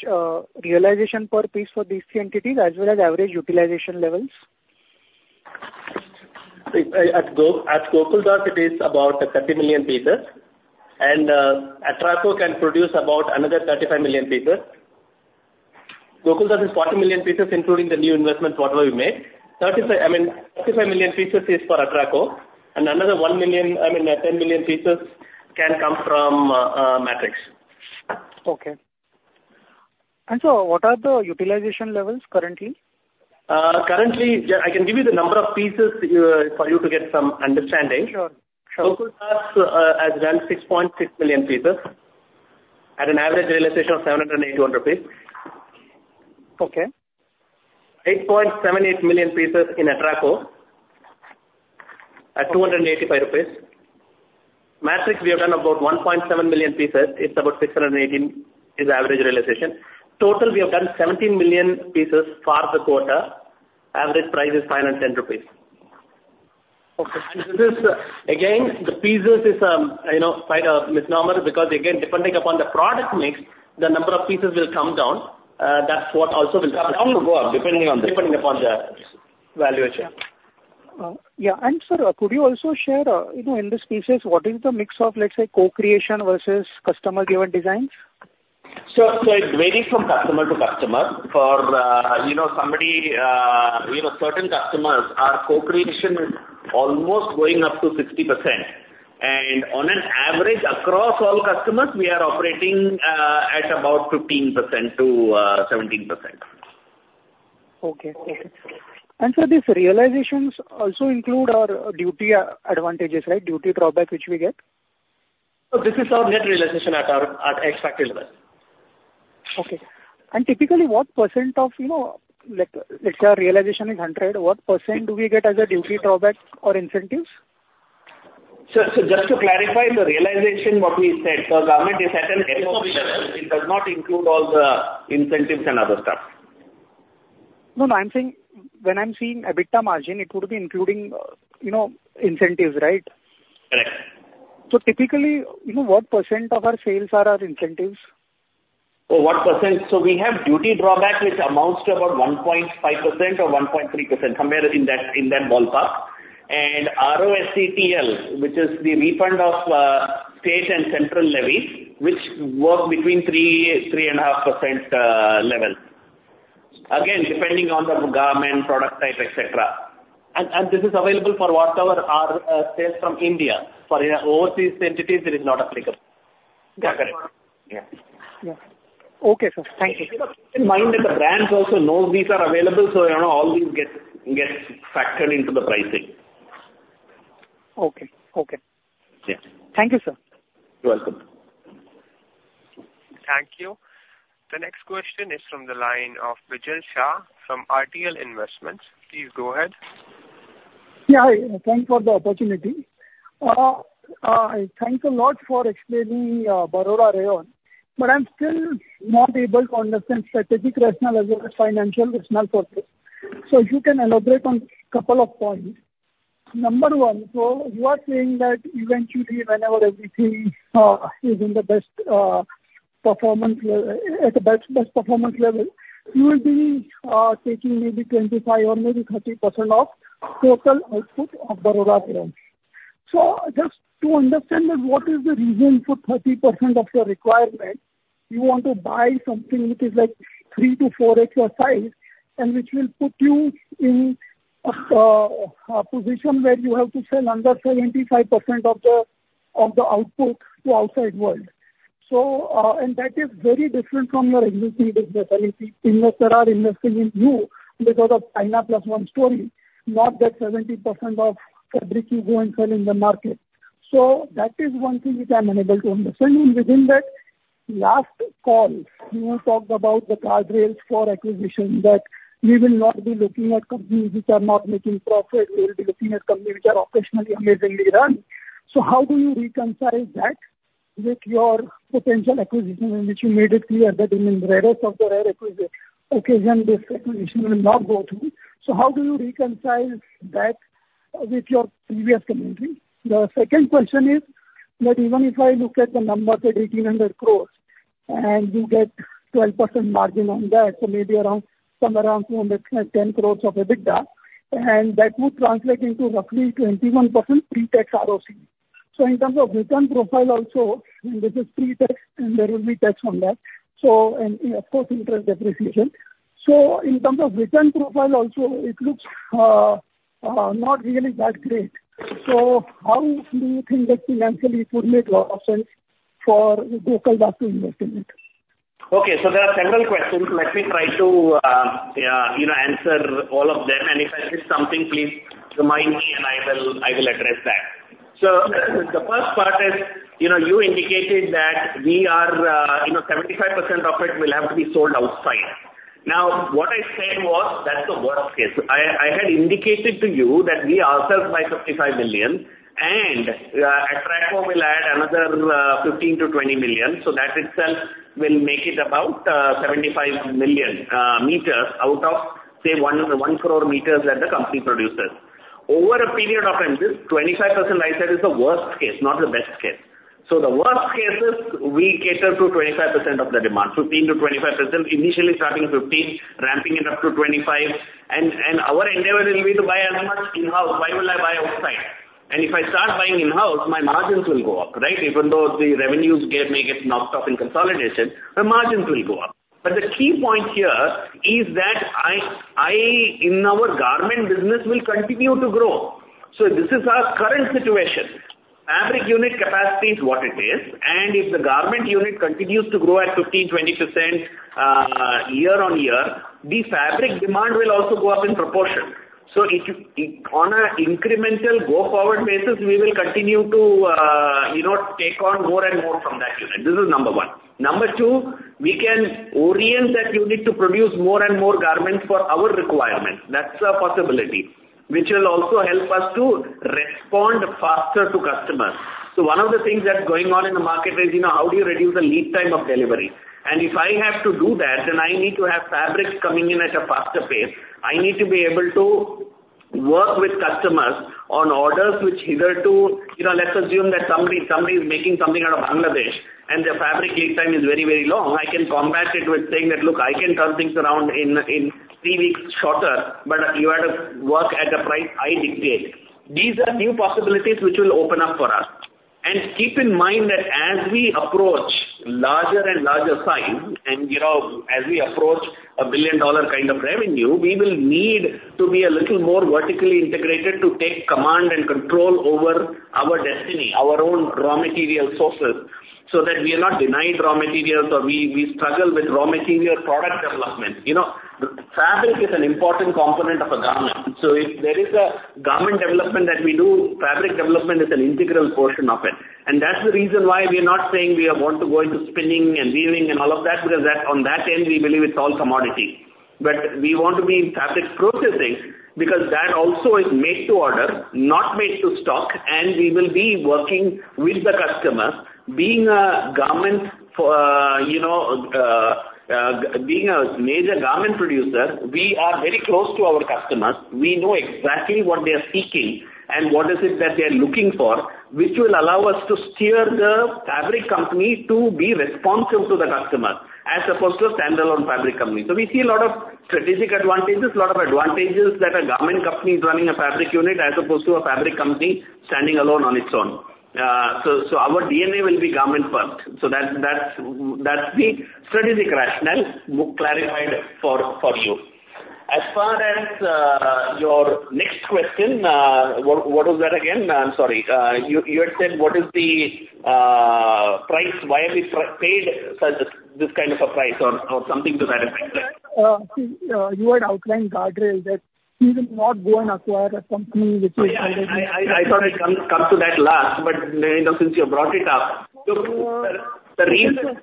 realization per piece for these three entities, as well as average utilization levels?
At Gokaldas, it is about 30 million pieces, and Atraco can produce about another 35 million pieces. Gokaldas is 40 million pieces, including the new investment, whatever we made. 35, I mean, 35 million pieces is for Atraco, and another 1 million, I mean, 10 million pieces can come from Matrix.
Okay. What are the utilization levels currently?
Currently, yeah, I can give you the number of pieces, for you to get some understanding.
Sure. Sure.
Gokaldas has done 6.6 million pieces at an average realization of 708 rupees.
Okay.
8.78 million pieces in Atraco at 285 rupees. Matrix, we have done about 1.7 million pieces. It's about 618 is average realization. Total, we have done 17 million pieces for the quarter. Average price is 510 rupees.
Okay.
This is, again, the pieces is, you know, quite a misnomer because again, depending upon the product mix, the number of pieces will come down. That's what also will come down-
Go up, depending on the-
Depending upon the valuation.
Sir, could you also share, you know, in these pieces, what is the mix of, let's say, co-creation versus customer-driven designs?
It varies from customer to customer. For, you know, somebody, you know, certain customers, our co-creation is almost going up to 60%, and on an average across all customers, we are operating at about 15%-17%.
Okay. Okay. And so these realizations also include our duty advantages, right? Duty Drawback, which we get?
This is our net realization at our, at ex-factory level.
Okay. Typically, what % of, you know, let's say our realization is 100, what % do we get as a duty drawback or incentives?
Just to clarify the realization, what we said for government, they set a target, which it does not include all the incentives and other stuff.
No, no, I'm saying when I'm seeing EBITDA margin, it would be including, you know, incentives, right?
Correct.
Typically, you know, what % of our sales are our incentives?
Oh, what percent? So we have Duty Drawback, which amounts to about 1.5% or 1.3%, somewhere in that, in that ballpark. And RoSCTL, which is the refund of state and central levy, which work between 3%-3.5% level. Again, depending on the government, product type, et cetera. And this is available for whatever our sales from India. For our overseas entities, it is not applicable.
Got it.
Yeah.
Yeah. Okay, sir. Thank you.
Keep in mind that the brands also know these are available, so, you know, all these get factored into the pricing.
Okay. Okay.
Yes.
Thank you, sir.
You're welcome.
Thank you. The next question is from the line of Bijal Shah from RTL Investments. Please go ahead.
Yeah, hi, thanks for the opportunity. Thanks a lot for explaining Bombay Rayon, but I'm still not able to understand strategic rationale as well as financial rationale for this. So you can elaborate on couple of points. Number one, so you are saying that eventually whenever everything is in the best performance level... at the best, best performance level, you will be taking maybe 25 or maybe 30% of total output of Bombay Rayon. So just to understand that, what is the reason for 30% of your requirement, you want to buy something which is like three to four extra size, and which will put you in a position where you have to sell under 75% of the output to outside world. So, and that is very different from your existing business, unless investors are investing in you because of China plus one story, not that 70% of fabric you go and sell in the market. So that is one thing which I'm unable to understand. And within that last call, you talked about the guardrails for acquisition, that you will not be looking at companies which are not making profit. We will be looking at companies which are operationally amazingly run. So how do you reconcile that with your potential acquisition, in which you made it clear that in the rarest of the rare occasion, this acquisition will not go through? So how do you reconcile that with your previous commentary? The second question is that even if I look at the numbers, at 1,800 crores, and you get 12% margin on that, so maybe around, some around 210 crores of EBITDA, and that would translate into roughly 21% pre-tax ROC. So in terms of return profile also, and this is pre-tax, and there will be tax on that, so and, and of course, interest depreciation. So in terms of return profile also, it looks not really that great. So how do you think that financially it would make more sense for Gokaldas to invest in it?
Okay, so there are several questions. Let me try to, you know, answer all of them, and if I miss something, please remind me, and I will address that. The first part is, you know, you indicated that we are 75% of it will have to be sold outside. Now, what I said was that's the worst case. I had indicated to you that we ourselves buy 55 million, and Atraco will add another 15-20 million. So that itself will make it about 75 million meters out of, say, 1 crore meters that the company produces. Over a period of time, this 25% like that is the worst case, not the best case. So the worst case is we cater to 25% of the demand, 15%-25%, initially starting 15, ramping it up to 25, and, and our endeavor will be to buy as much in-house. Why will I buy outside? And if I start buying in-house, my margins will go up, right? Even though the revenues get, may get knocked off in consolidation, the margins will go up. But the key point here is that I, I, in our garment business, will continue to grow. So this is our current situation. Fabric unit capacity is what it is, and if the garment unit continues to grow at 15, 20% year-on-year, the fabric demand will also go up in proportion. So if you, on an incremental go-forward basis, we will continue to, you know, take on more and more from that unit. This is number one. Number two, we can orient that unit to produce more and more garments for our requirements. That's a possibility which will also help us to respond faster to customers. So one of the things that's going on in the market is, you know, how do you reduce the lead time of delivery? And if I have to do that, then I need to have fabrics coming in at a faster pace. I need to be able to work with customers on orders which hitherto... You know, let's assume that somebody is making something out of Bangladesh, and their fabric lead time is very, very long. I can combat it with saying that, "Look, I can turn things around in three weeks shorter, but you have to work at the price I dictate." These are new possibilities which will open up for us. Keep in mind that as we approach larger and larger size, and, you know, as we approach a billion-dollar kind of revenue, we will need to be a little more vertically integrated to take command and control over our destiny, our own raw material sources, so that we are not denied raw materials, or we struggle with raw material product development. You know, fabric is an important component of a garment. So if there is a garment development that we do, fabric development is an integral portion of it. And that's the reason why we are not saying we want to go into spinning and weaving and all of that, because that, on that end, we believe it's all commodity. But we want to be in fabric processing, because that also is made to order, not made to stock, and we will be working with the customer. Being a major garment producer, we are very close to our customers. We know exactly what they are seeking and what is it that they are looking for, which will allow us to steer the fabric company to be responsive to the customers, as opposed to a standalone fabric company. So we see a lot of strategic advantages, a lot of advantages that a garment company is running a fabric unit as opposed to a fabric company standing alone on its own. So our DNA will be garment first. So that's the strategic rationale we've clarified for you. As far as your next question, what was that again? I'm sorry. You had said, what is the price? Why have we pre-paid such, this kind of a price or something to that effect?
See, you had outlined guardrail, that you will not go and acquire a company which is-
Yeah, I thought I'd come to that last, but you know, since you brought it up, so the reason-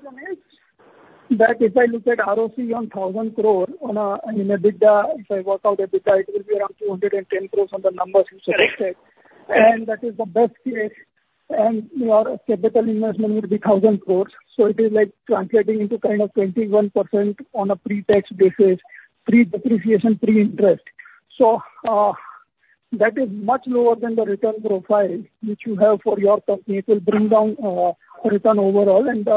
That if I look at ROCE on 1,000 crore on a, in EBITDA, if I work out EBITDA, it will be around 210 crore on the numbers you selected.
Correct.
That is the best case, and your capital investment will be 1,000 crore. So it is like translating into kind of 21% on a pre-tax basis, pre-depreciation, pre-interest. So, that is much lower than the return profile which you have for your company. It will bring down, return overall, and,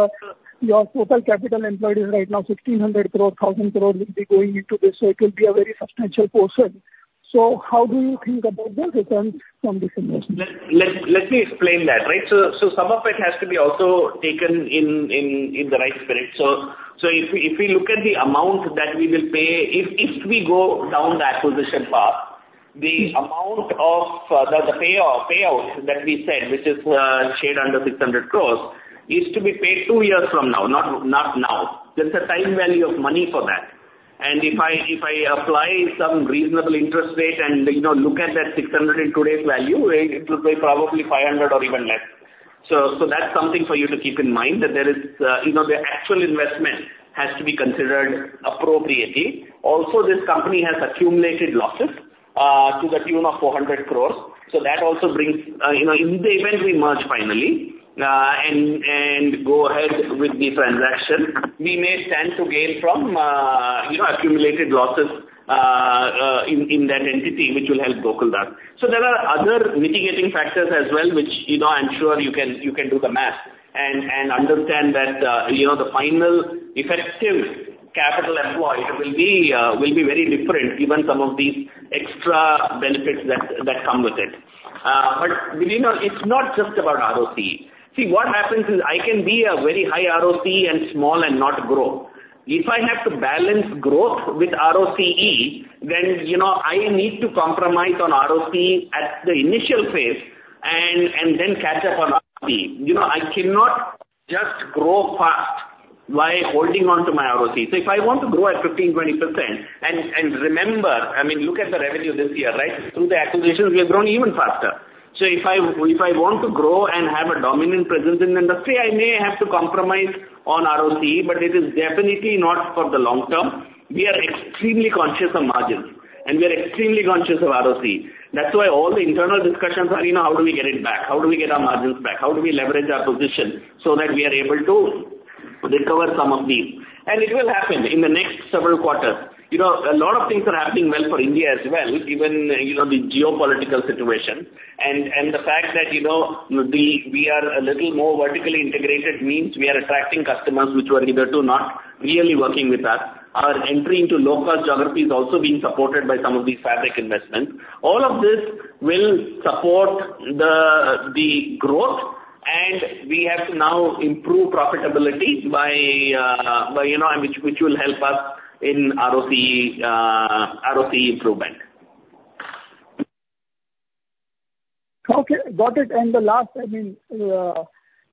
your total capital employed is right now 1,600 crore, 1,000 crore will be going into this, so it will be a very substantial portion. So how do you think about the return from this investment? Let me explain that, right? So some of it has to be also taken in the right spirit. So if we look at the amount that we will pay, if we go down the acquisition path, the amount of the payout that we said, which is shared under 600 crore, is to be paid two years from now, not now. There's a time value of money for that. And if I apply some reasonable interest rate and, you know, look at that 600 in today's value, it will be probably 500 or even less. So that's something for you to keep in mind, that there is, you know, the actual investment has to be considered appropriately. Also, this company has accumulated losses to the tune of 400 crore. So that also brings, you know, in the event we merge finally, and go ahead with the transaction, we may stand to gain from, you know, accumulated losses in that entity, which will help Gokaldas. So there are other mitigating factors as well, which, you know, I'm sure you can do the math and understand that, you know, the final effective capital employed will be very different, given some of the extra benefits that come with it. But, you know, it's not just about ROCE. See, what happens is, I can be a very high ROCE and small and not grow. If I have to balance growth with ROCE, then, you know, I need to compromise on ROCE at the initial phase and then catch up on ROCE. You know, I cannot just grow fast by holding on to my ROCE. So if I want to grow at 15%-20%, and, and remember, I mean, look at the revenue this year, right? Through the acquisitions, we have grown even faster. So if I, if I want to grow and have a dominant presence in the industry, I may have to compromise on ROCE, but it is definitely not for the long term. We are extremely conscious of margins, and we are extremely conscious of ROCE. That's why all the internal discussions are, you know, how do we get it back? How do we get our margins back? How do we leverage our position so that we are able to recover some of these? And it will happen in the next several quarters. You know, a lot of things are happening well for India as well, even, you know, the geopolitical situation. The fact that, you know, we are a little more vertically integrated means we are attracting customers which were hitherto not really working with us. Our entry into low-cost geography is also being supported by some of these fabric investments. All of this will support the growth, and we have to now improve profitability by, you know, which will help us in ROCE improvement. Okay, got it. And the last, I mean-
So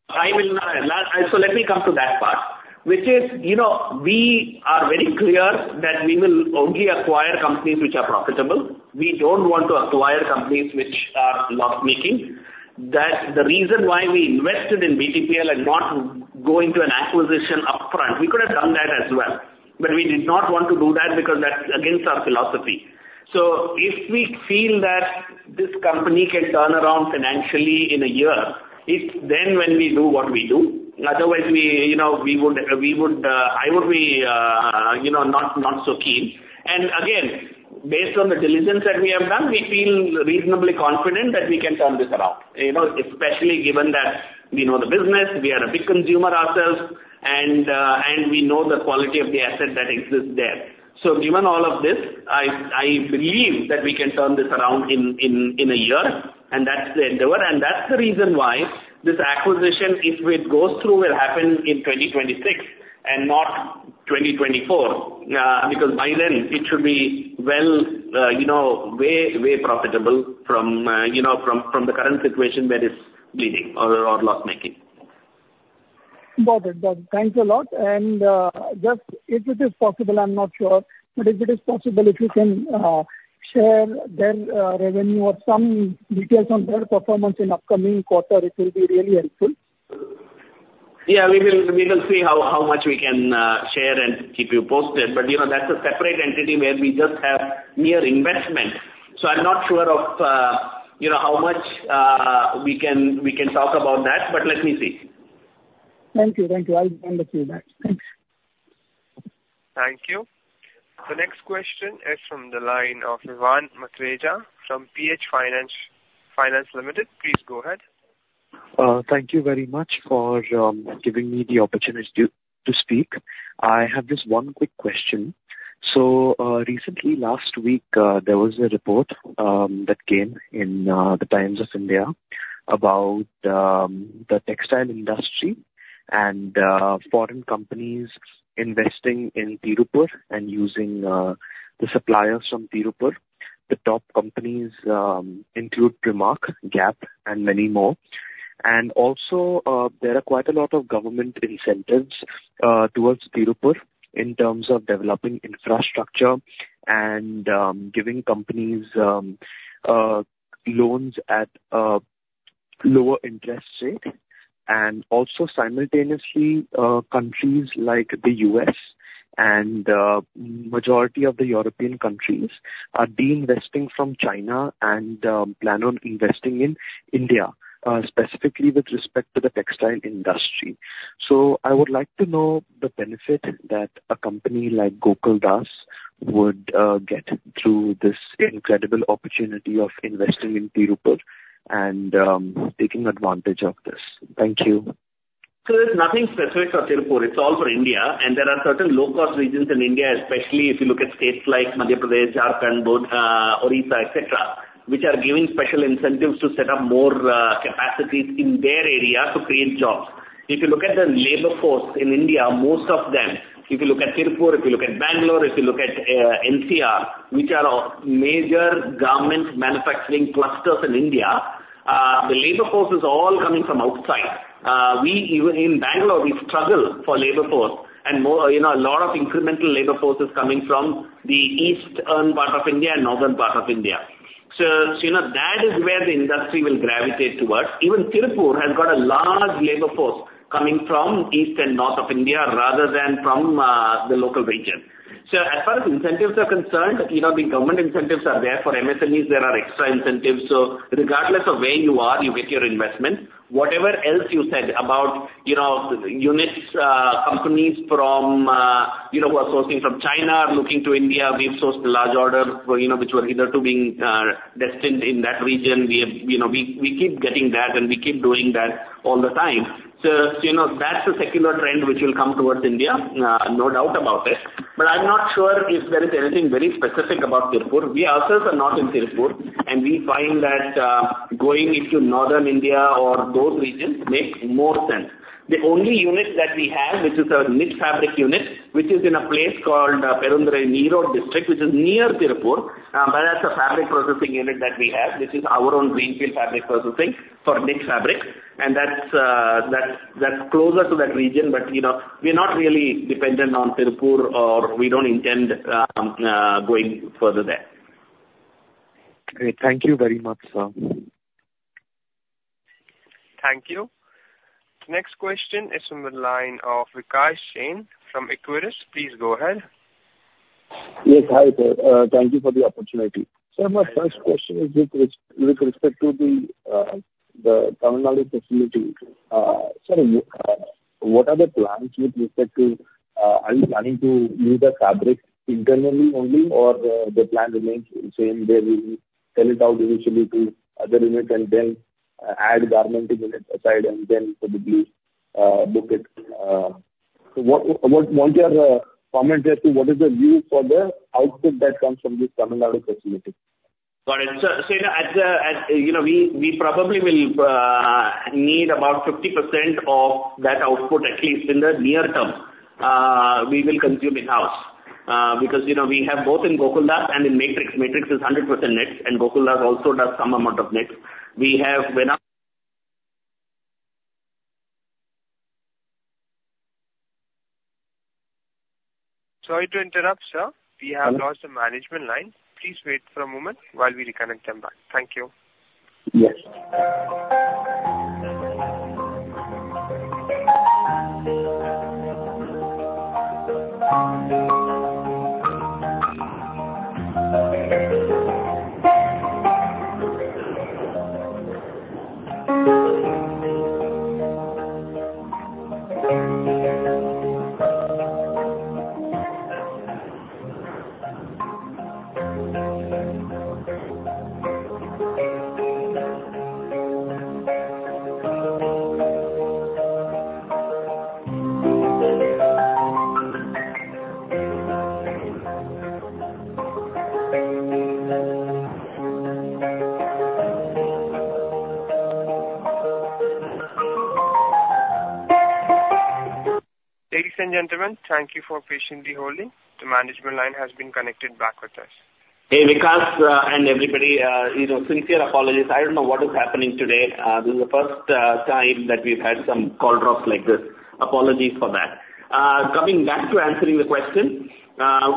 let me come to that part, which is, you know, we are very clear that we will only acquire companies which are profitable. We don't want to acquire companies which are loss-making. That's the reason why we invested in BTPL and not go into an acquisition upfront. We could have done that as well, but we did not want to do that because that's against our philosophy. So if we feel that this company can turn around financially in a year, it's then when we do what we do. Otherwise, you know, we would, I would be, you know, not so keen. And again, based on the diligence that we have done, we feel reasonably confident that we can turn this around. You know, especially given that we know the business, we are a big consumer ourselves, and we know the quality of the asset that exists there. So given all of this, I believe that we can turn this around in a year, and that's the endeavor. And that's the reason why this acquisition, if it goes through, will happen in 2026 and not 2024, because by then it should be well, you know, way, way profitable from you know, from the current situation where it's bleeding or loss-making.
Got it. Got it. Thanks a lot. And, just if it is possible, I'm not sure, but if it is possible, if you can, share their, revenue or some details on their performance in upcoming quarter, it will be really helpful.
Yeah. We will see how much we can share and keep you posted. But, you know, that's a separate entity where we just have mere investment. So I'm not sure of, you know, how much we can talk about that, but let me see.
Thank you. Thank you. I'll look into that. Thanks.
Thank you. The next question is from the line of Vivan Mathreja from PH Finance Limited. Please go ahead.
Thank you very much for giving me the opportunity to speak. I have just one quick question. So, recently, last week, there was a report that came in, the Times of India about the textile industry and foreign companies investing in Tirupur and using the suppliers from Tirupur. The top companies include Primark, Gap, and many more. And also, there are quite a lot of government incentives towards Tirupur in terms of developing infrastructure and giving companies loans at lower interest rate. And also simultaneously, countries like the U.S. and majority of the European countries are de-investing from China and plan on investing in India, specifically with respect to the textile industry. I would like to know the benefit that a company like Gokaldas would get through this incredible opportunity of investing in Tirupur and taking advantage of this? Thank you.
So there's nothing specific for Tirupur. It's all for India, and there are certain low-cost regions in India, especially if you look at states like Madhya Pradesh, Jharkhand, Orissa, et cetera, which are giving special incentives to set up more capacities in their area to create jobs. If you look at the labor force in India, most of them, if you look at Tirupur, if you look at Bangalore, if you look at NCR, which are all major garment manufacturing clusters in India, the labor force is all coming from outside. We even in Bangalore struggle for labor force. And more, you know, a lot of incremental labor force is coming from the eastern part of India and northern part of India.... So you know, that is where the industry will gravitate towards. Even Tirupur has got a large labor force coming from east and north of India, rather than from the local region. So as far as incentives are concerned, you know, the government incentives are there. For MSMEs, there are extra incentives, so regardless of where you are, you get your investment. Whatever else you said about, you know, units, companies from, you know, who are sourcing from China are looking to India, we've sourced a large order, you know, which were either to being destined in that region. We have, you know, we, we keep getting that, and we keep doing that all the time. So, you know, that's a secular trend which will come towards India, no doubt about it. But I'm not sure if there is anything very specific about Tirupur. We ourselves are not in Tirupur, and we find that, going into northern India or those regions makes more sense. The only unit that we have, which is a knit fabric unit, which is in a place called Perundurai, Erode district, which is near Tirupur, but that's a fabric processing unit that we have, which is our own greenfield fabric processing for knit fabric. And that's, that's closer to that region, but, you know, we're not really dependent on Tirupur, or we don't intend, going further there.
Great. Thank you very much, sir.
Thank you. Next question is from the line of Vikas Jain from Equirus. Please go ahead.
Yes, hi there. Thank you for the opportunity. So my first question is with respect to the Tamil Nadu facility. Sir, what are the plans with respect to, are you planning to use the fabric internally only, or, the plan remains the same there, you will sell it out initially to other units and then, add garmenting units aside and then possibly, book it? So what, what's your comment as to what is the view for the output that comes from this Tamil Nadu facility?
Got it. So, as you know, we probably will need about 50% of that output, at least in the near term, we will consume in-house. Because, you know, we have both in Gokaldas and in Matrix. Matrix is 100% knit, and Gokaldas also does some amount of knit. We have enough-
Sorry to interrupt, sir.
Uh-
We have lost the management line. Please wait for a moment while we reconnect them back. Thank you.
Yes.
Ladies and gentlemen, thank you for patiently holding. The management line has been connected back with us.
Hey, Vikas, and everybody, you know, sincere apologies. I don't know what is happening today. This is the first time that we've had some call drops like this. Apologies for that. Coming back to answering the question,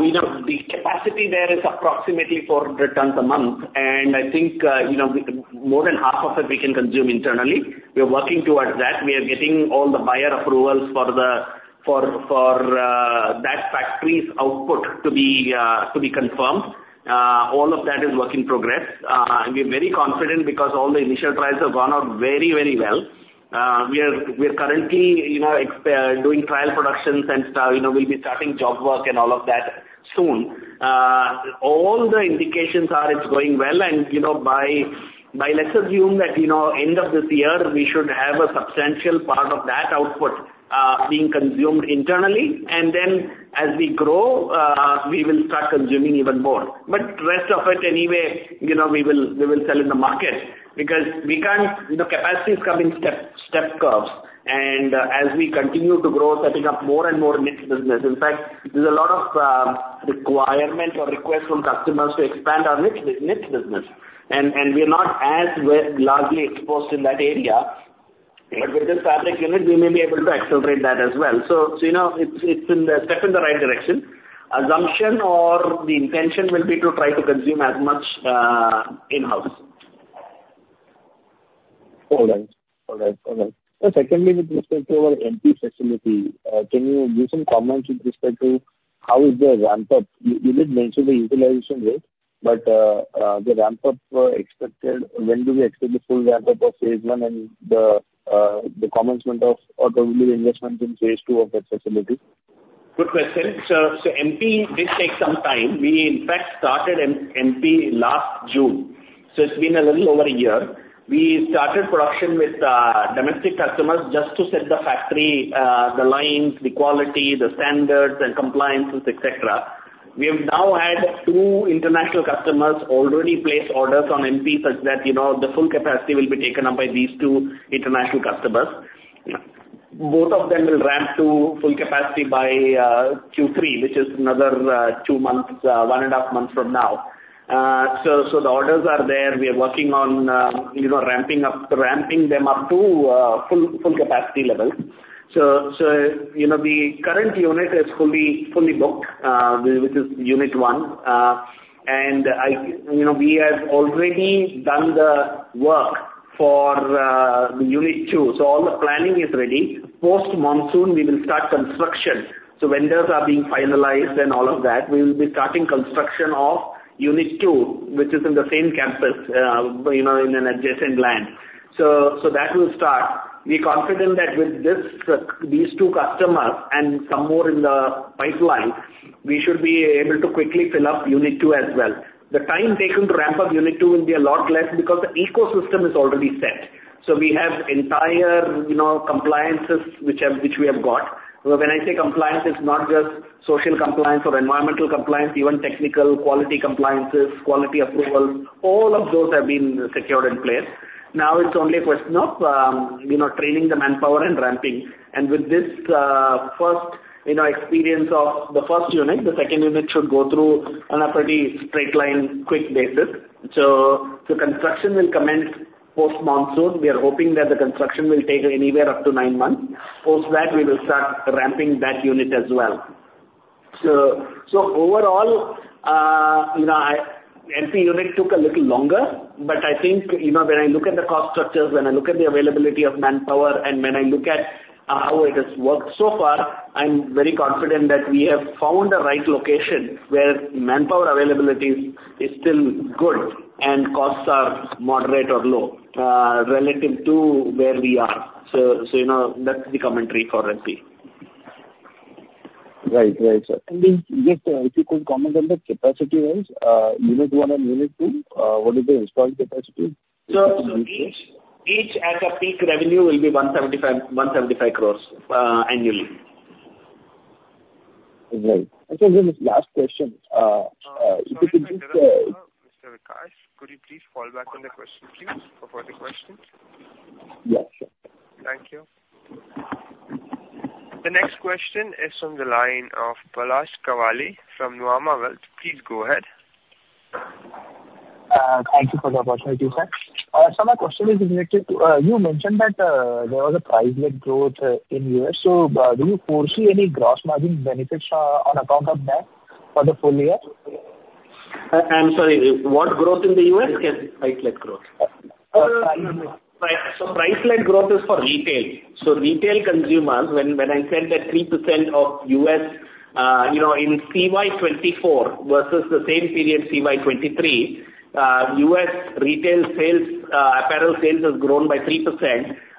we know the capacity there is approximately 400 tons a month, and I think, you know, more than half of it we can consume internally. We are working towards that. We are getting all the buyer approvals for that factory's output to be confirmed. All of that is work in progress. And we're very confident because all the initial trials have gone off very, very well. We are currently, you know, doing trial productions and, you know, we'll be starting job work and all of that soon. All the indications are it's going well, and you know, let's assume that by end of this year, we should have a substantial part of that output being consumed internally, and then as we grow, we will start consuming even more. But rest of it anyway, you know, we will sell in the market because we can't. You know, capacities come in step curves, and as we continue to grow, setting up more and more knit business. In fact, there's a lot of requirement or requests from customers to expand our knit business. And we are not as well largely exposed in that area. But with this fabric unit, we may be able to accelerate that as well. So you know, it's a step in the right direction. Assumption or the intention will be to try to consume as much, in-house.
All right. All right, all right. Secondly, with respect to our MP facility, can you give some comments with respect to how is the ramp-up? You did mention the utilization rate, but the ramp-up expected, when do we expect the full ramp-up of phase I and the commencement of, or the investments in phase II of that facility?
Good question. So, MP did take some time. We, in fact, started MP last June, so it's been a little over a year. We started production with domestic customers just to set the factory, the lines, the quality, the standards and compliances, et cetera. We have now had two international customers already place orders on MP such that, you know, the full capacity will be taken up by these two international customers. Both of them will ramp to full capacity by Q3, which is another two months, one and a half months from now. So, the orders are there. We are working on, you know, ramping up, ramping them up to full, full capacity levels. So, you know, the current unit is fully, fully booked, which is Unit 1. And I, you know, we have already done the work for the Unit 2, so all the planning is ready. Post-monsoon, we will start construction. So vendors are being finalized and all of that. We will be starting construction of Unit 2, which is in the same campus, you know, in an adjacent land. So, so that will start. We're confident that with this, these two customers and some more in the pipeline, we should be able to quickly fill up Unit 2 as well. The time taken to ramp up Unit 2 will be a lot less because the ecosystem is already set. So we have entire, you know, compliances which have, which we have got. When I say compliance, it's not just social compliance or environmental compliance, even technical quality compliances, quality approvals, all of those have been secured in place. Now it's only a question of, you know, training the manpower and ramping. And with this, first, you know, experience of the first unit, the second unit should go through on a pretty straight-line, quick basis. So, construction will commence post-monsoon. We are hoping that the construction will take anywhere up to nine months. Post that, we will start ramping that unit as well. So, overall, you know, MP unit took a little longer, but I think, you know, when I look at the cost structures, when I look at the availability of manpower, and when I look at, how it has worked so far, I'm very confident that we have found the right location where manpower availability is, still good and costs are moderate or low, relative to where we are. So, you know, that's the commentary for MP.
Right. Right, sir. And just, if you could comment on the capacity-wise, Unit 1 and Unit 2, what is the installed capacity?
So each at a peak revenue will be 175, 175 crores annually.
Right. This last question.
Mr. Vikas, could you please fall back on the question, please, for further questions?
Yes.
Thank you. The next question is from the line of Palash Kawale from Nuvama Wealth. Please go ahead.
Thank you for the opportunity, sir. So my question is related to... You mentioned that there was a price-led growth in U.S. So do you foresee any gross margin benefits on account of that for the full year?
I'm sorry, what growth in the US?
Price-led growth.
No, no. Price, so price-led growth is for retail. So retail consumers, when I said that 3% of U.S., you know, in CY 2024 versus the same period, CY 2023, U.S. retail sales, apparel sales has grown by 3%.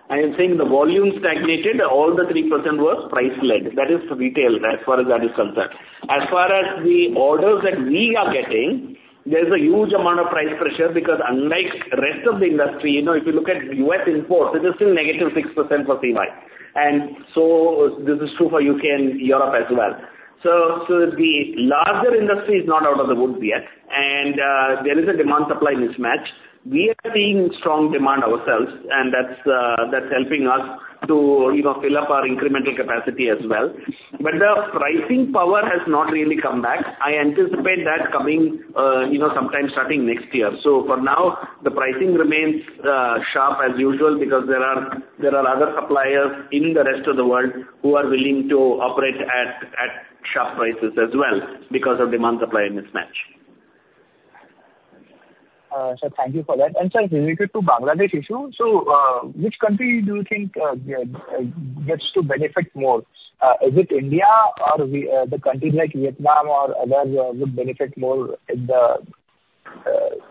I am saying the volumes stagnated, all the 3% was price-led. That is retail as far as that is concerned. As far as the orders that we are getting, there is a huge amount of price pressure because unlike the rest of the industry, you know, if you look at U.S. imports, it is still -6% for CY. And so this is true for U.K. and Europe as well. So the larger industry is not out of the woods yet, and there is a demand-supply mismatch. We are seeing strong demand ourselves, and that's, that's helping us to, you know, fill up our incremental capacity as well. But the pricing power has not really come back. I anticipate that coming, you know, sometime starting next year. So for now, the pricing remains, sharp as usual because there are, there are other suppliers in the rest of the world who are willing to operate at, at sharp prices as well because of demand-supply mismatch.
Sir, thank you for that. Sir, related to Bangladesh issue, so, which country do you think gets to benefit more? Is it India or the countries like Vietnam or others would benefit more if the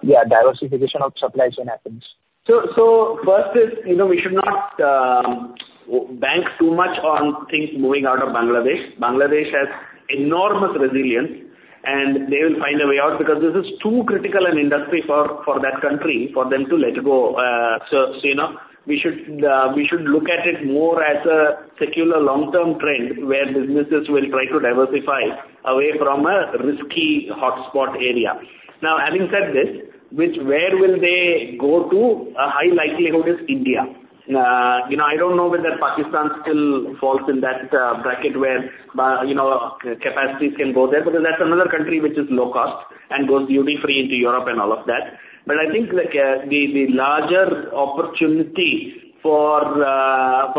diversification of supplies when happens?
So first is, you know, we should not bank too much on things moving out of Bangladesh. Bangladesh has enormous resilience, and they will find a way out because this is too critical an industry for that country for them to let go. So, you know, we should look at it more as a secular long-term trend, where businesses will try to diversify away from a risky hotspot area. Now, having said this, where will they go to? A high likelihood is India. You know, I don't know whether Pakistan still falls in that bracket where, you know, capacities can go there, because that's another country which is low cost and goes duty-free into Europe and all of that. I think, like, the larger opportunity for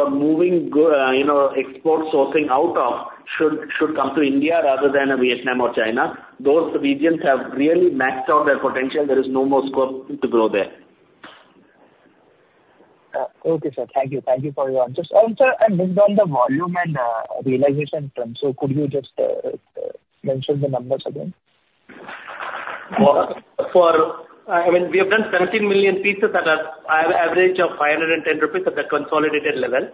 moving export sourcing out of, you know, should come to India rather than a Vietnam or China. Those regions have really maxed out their potential. There is no more scope to grow there.
Okay, sir. Thank you. Thank you for your answers. And sir, and based on the volume and realization trends, so could you just mention the numbers again?
We have done 17 million pieces at an average of 510 rupees at the consolidated level.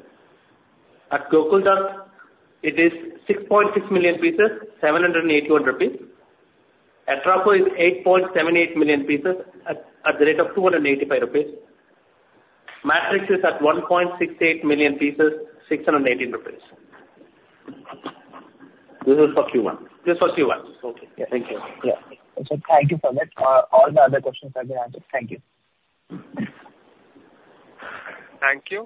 At Gokaldas, it is 6.6 million pieces, 781 rupees. At Atraco, it's 8.78 million pieces at the rate of 285 rupees. Matrix is at 1.68 million pieces, 618 rupees.
This is for Q1?
Just for Q1.
Okay. Thank you.
Yeah. Thank you for that. All the other questions have been answered. Thank you.
Thank you.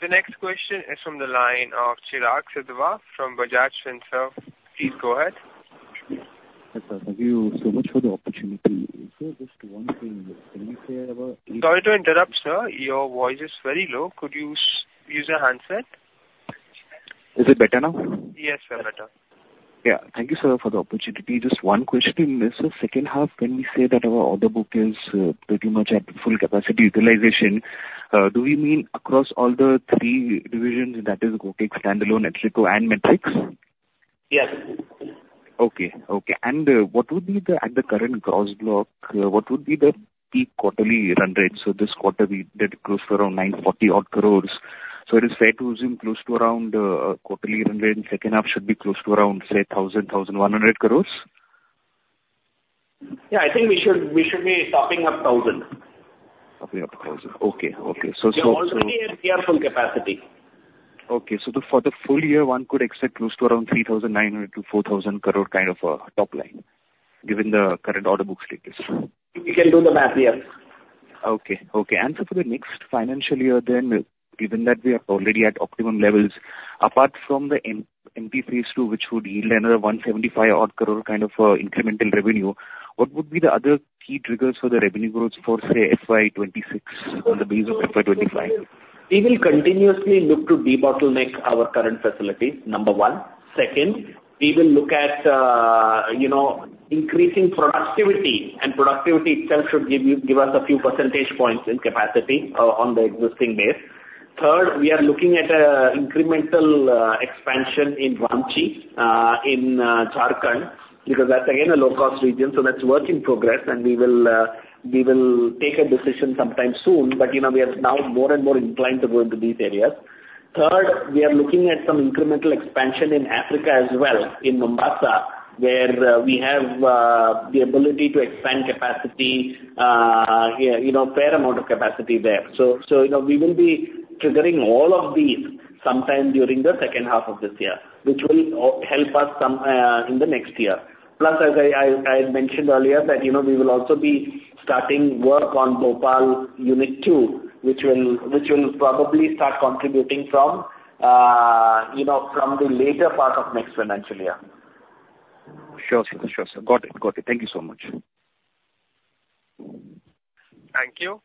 The next question is from the line of Cheragh Sidhwa from Bajaj Finserv. Please go ahead....
Thank you so much for the opportunity. Sir, just one thing, can you say about-
Sorry to interrupt, sir. Your voice is very low. Could you use a handset?
Is it better now?
Yes, sir, better.
Yeah. Thank you, sir, for the opportunity. Just one question in this, the second half, when we say that our order book is pretty much at full capacity utilization, do we mean across all the three divisions, that is, Gokaldas standalone, Atraco, and Matrix?
Yes.
Okay. Okay, and what would be at the current gross block, what would be the peak quarterly run rate? So this quarter, we did close to around 940-odd crores. So it is fair to assume close to around quarterly run rate in second half should be close to around, say, 1,000-1,100 crores?
Yeah, I think we should, we should be topping up 1,000.
Topping up thousand. Okay, okay.
We are already at near full capacity.
Okay, so for the full year, one could expect close to around 3,900 crore-4,000 crore kind of top line, given the current order book status?
You can do the math, yes.
Okay, okay. And so for the next financial year then, given that we are already at optimum levels, apart from the MP phase II, which would yield another 175 crore odd kind of incremental revenue, what would be the other key triggers for the revenue growth for, say, FY26 on the base of FY25?
We will continuously look to debottleneck our current facility, number one. Second, we will look at, you know, increasing productivity, and productivity itself should give us a few percentage points in capacity, on the existing base. Third, we are looking at a incremental expansion in Ranchi, in Jharkhand, because that's again, a low-cost region, so that's work in progress, and we will take a decision sometime soon. But, you know, we are now more and more inclined to go into these areas. Third, we are looking at some incremental expansion in Africa as well, in Mombasa, where we have the ability to expand capacity, yeah, you know, fair amount of capacity there. So, you know, we will be triggering all of these sometime during the second half of this year, which will help us some in the next year. Plus, as I had mentioned earlier, that, you know, we will also be starting work on Bhopal unit two, which will probably start contributing from, you know, from the later part of next financial year.
Sure, sir. Sure, sir. Got it, got it. Thank you so much.
Thank you.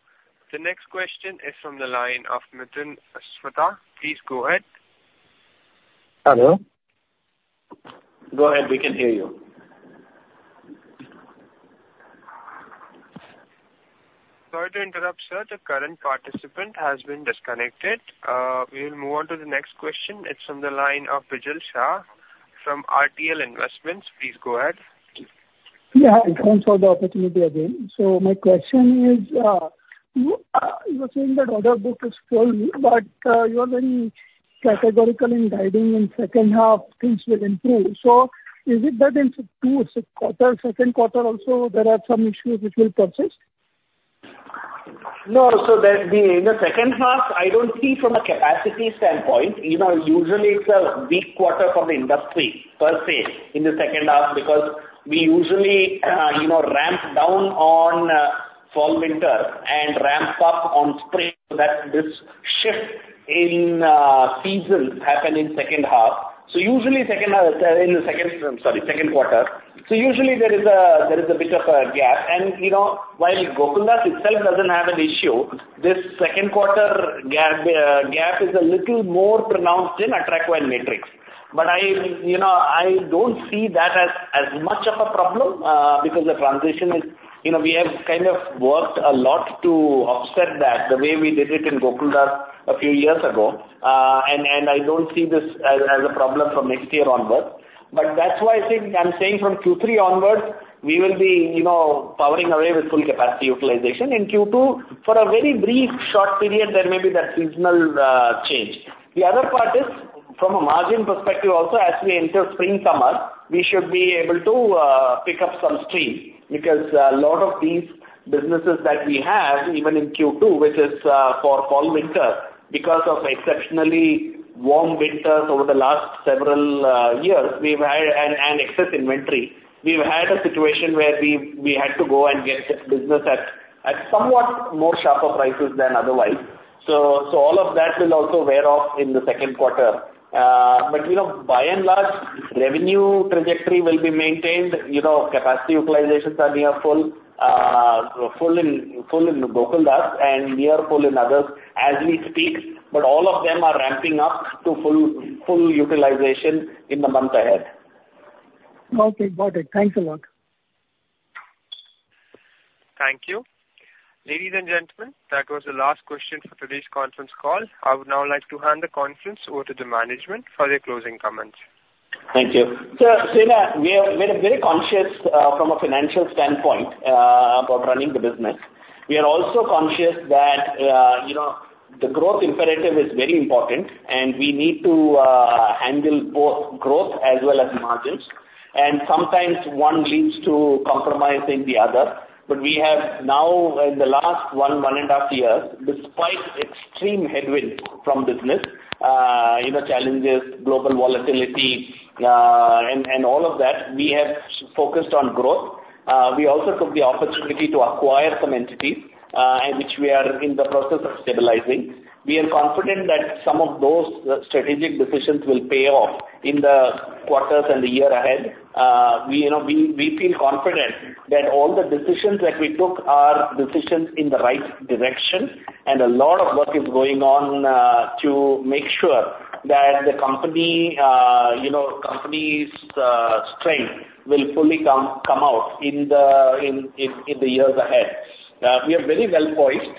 The next question is from the line of Mithun Aswath. Please go ahead.
Hello?
Go ahead, we can hear you.
Sorry to interrupt, sir. The current participant has been disconnected. We will move on to the next question. It's from the line of Bijal Shah from RTL Investments. Please go ahead.
Yeah, thanks for the opportunity again. So my question is, you, you were saying that order book is full, but, you are very categorical in guiding in second half, things will improve. So is it that in Q2, second quarter also, there are some issues which will persist?
No, so in the second half, I don't see from a capacity standpoint, you know, usually it's a weak quarter for the industry per se, in the second half, because we usually, you know, ramp down on fall, winter, and ramp up on spring, so that this shift in seasons happen in second half. So usually second half, in the second quarter, so usually there is a bit of a gap. And, you know, while Gokaldas itself doesn't have an issue, this second quarter gap is a little more pronounced in Atraco and Matrix. But I, you know, I don't see that as much of a problem, because the transition is. You know, we have kind of worked a lot to offset that, the way we did it in Gokaldas a few years ago. And I don't see this as a problem from next year onwards. But that's why I think I'm saying from Q3 onwards, we will be, you know, powering away with full capacity utilization. In Q2, for a very brief short period, there may be that seasonal change. The other part is, from a margin perspective also, as we enter spring, summer, we should be able to pick up some steam. Because a lot of these businesses that we have, even in Q2, which is for fall, winter, because of exceptionally warm winters over the last several years, we've had an excess inventory. We've had a situation where we had to go and get this business at somewhat sharper prices than otherwise. So all of that will also wear off in the second quarter. But you know, by and large, revenue trajectory will be maintained. You know, capacity utilizations are near full, full in Gokaldas and near full in others as we speak, but all of them are ramping up to full utilization in the months ahead.
Okay, got it. Thanks a lot.
Thank you. Ladies and gentlemen, that was the last question for today's conference call. I would now like to hand the conference over to the management for their closing comments.
Thank you. So, yeah, we are very conscious from a financial standpoint about running the business. We are also conscious that, you know, the growth imperative is very important, and we need to handle both growth as well as margins, and sometimes one leads to compromising the other. But we have now, in the last one and half years, despite extreme headwinds from business, you know, challenges, global volatility, and all of that, we have focused on growth. Uh, we also took the opportunity to acquire some entity, and which we are in the process of stabilizing. We are confident that some of those strategic decisions will pay off in the quarters and the year ahead. You know, we feel confident that all the decisions that we took are decisions in the right direction, and a lot of work is going on to make sure that the company, you know, company's strength will fully come out in the years ahead. We are very well poised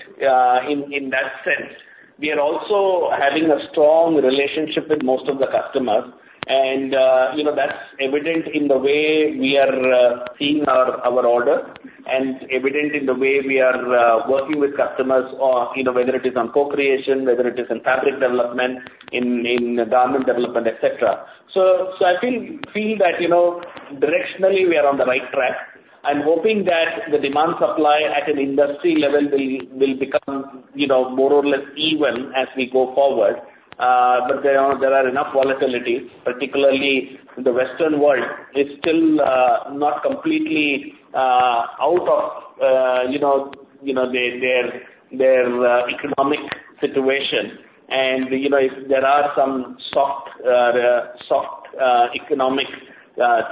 in that sense. We are also having a strong relationship with most of the customers, and, you know, that's evident in the way we are seeing our order and evident in the way we are working with customers or, you know, whether it is on co-creation, whether it is in fabric development, in garment development, et cetera. So, I feel that, you know, directionally we are on the right track. I'm hoping that the demand supply at an industry level will become, you know, more or less even as we go forward. But there are enough volatility, particularly in the Western world, is still not completely out of their economic situation. And, you know, if there are some soft economic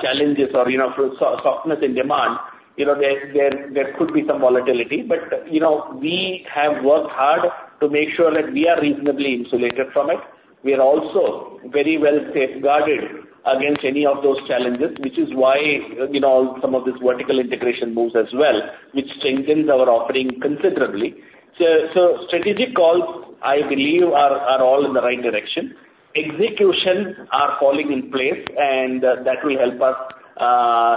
challenges or, you know, softness in demand, you know, there could be some volatility, but, you know, we have worked hard to make sure that we are reasonably insulated from it. We are also very well safeguarded against any of those challenges, which is why, you know, some of this vertical integration moves as well, which strengthens our offering considerably. So strategic calls, I believe, are all in the right direction. Executions are falling in place, and that will help us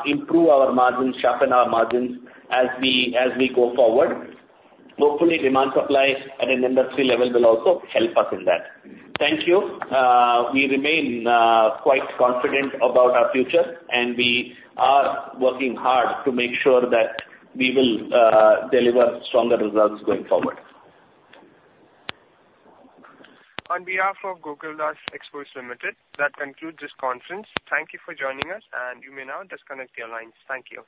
improve our margins, sharpen our margins as we go forward. Hopefully, demand supply at an industry level will also help us in that. Thank you. We remain quite confident about our future, and we are working hard to make sure that we will deliver stronger results going forward.
On behalf of Gokaldas Exports Limited, that concludes this conference. Thank you for joining us, and you may now disconnect your lines. Thank you.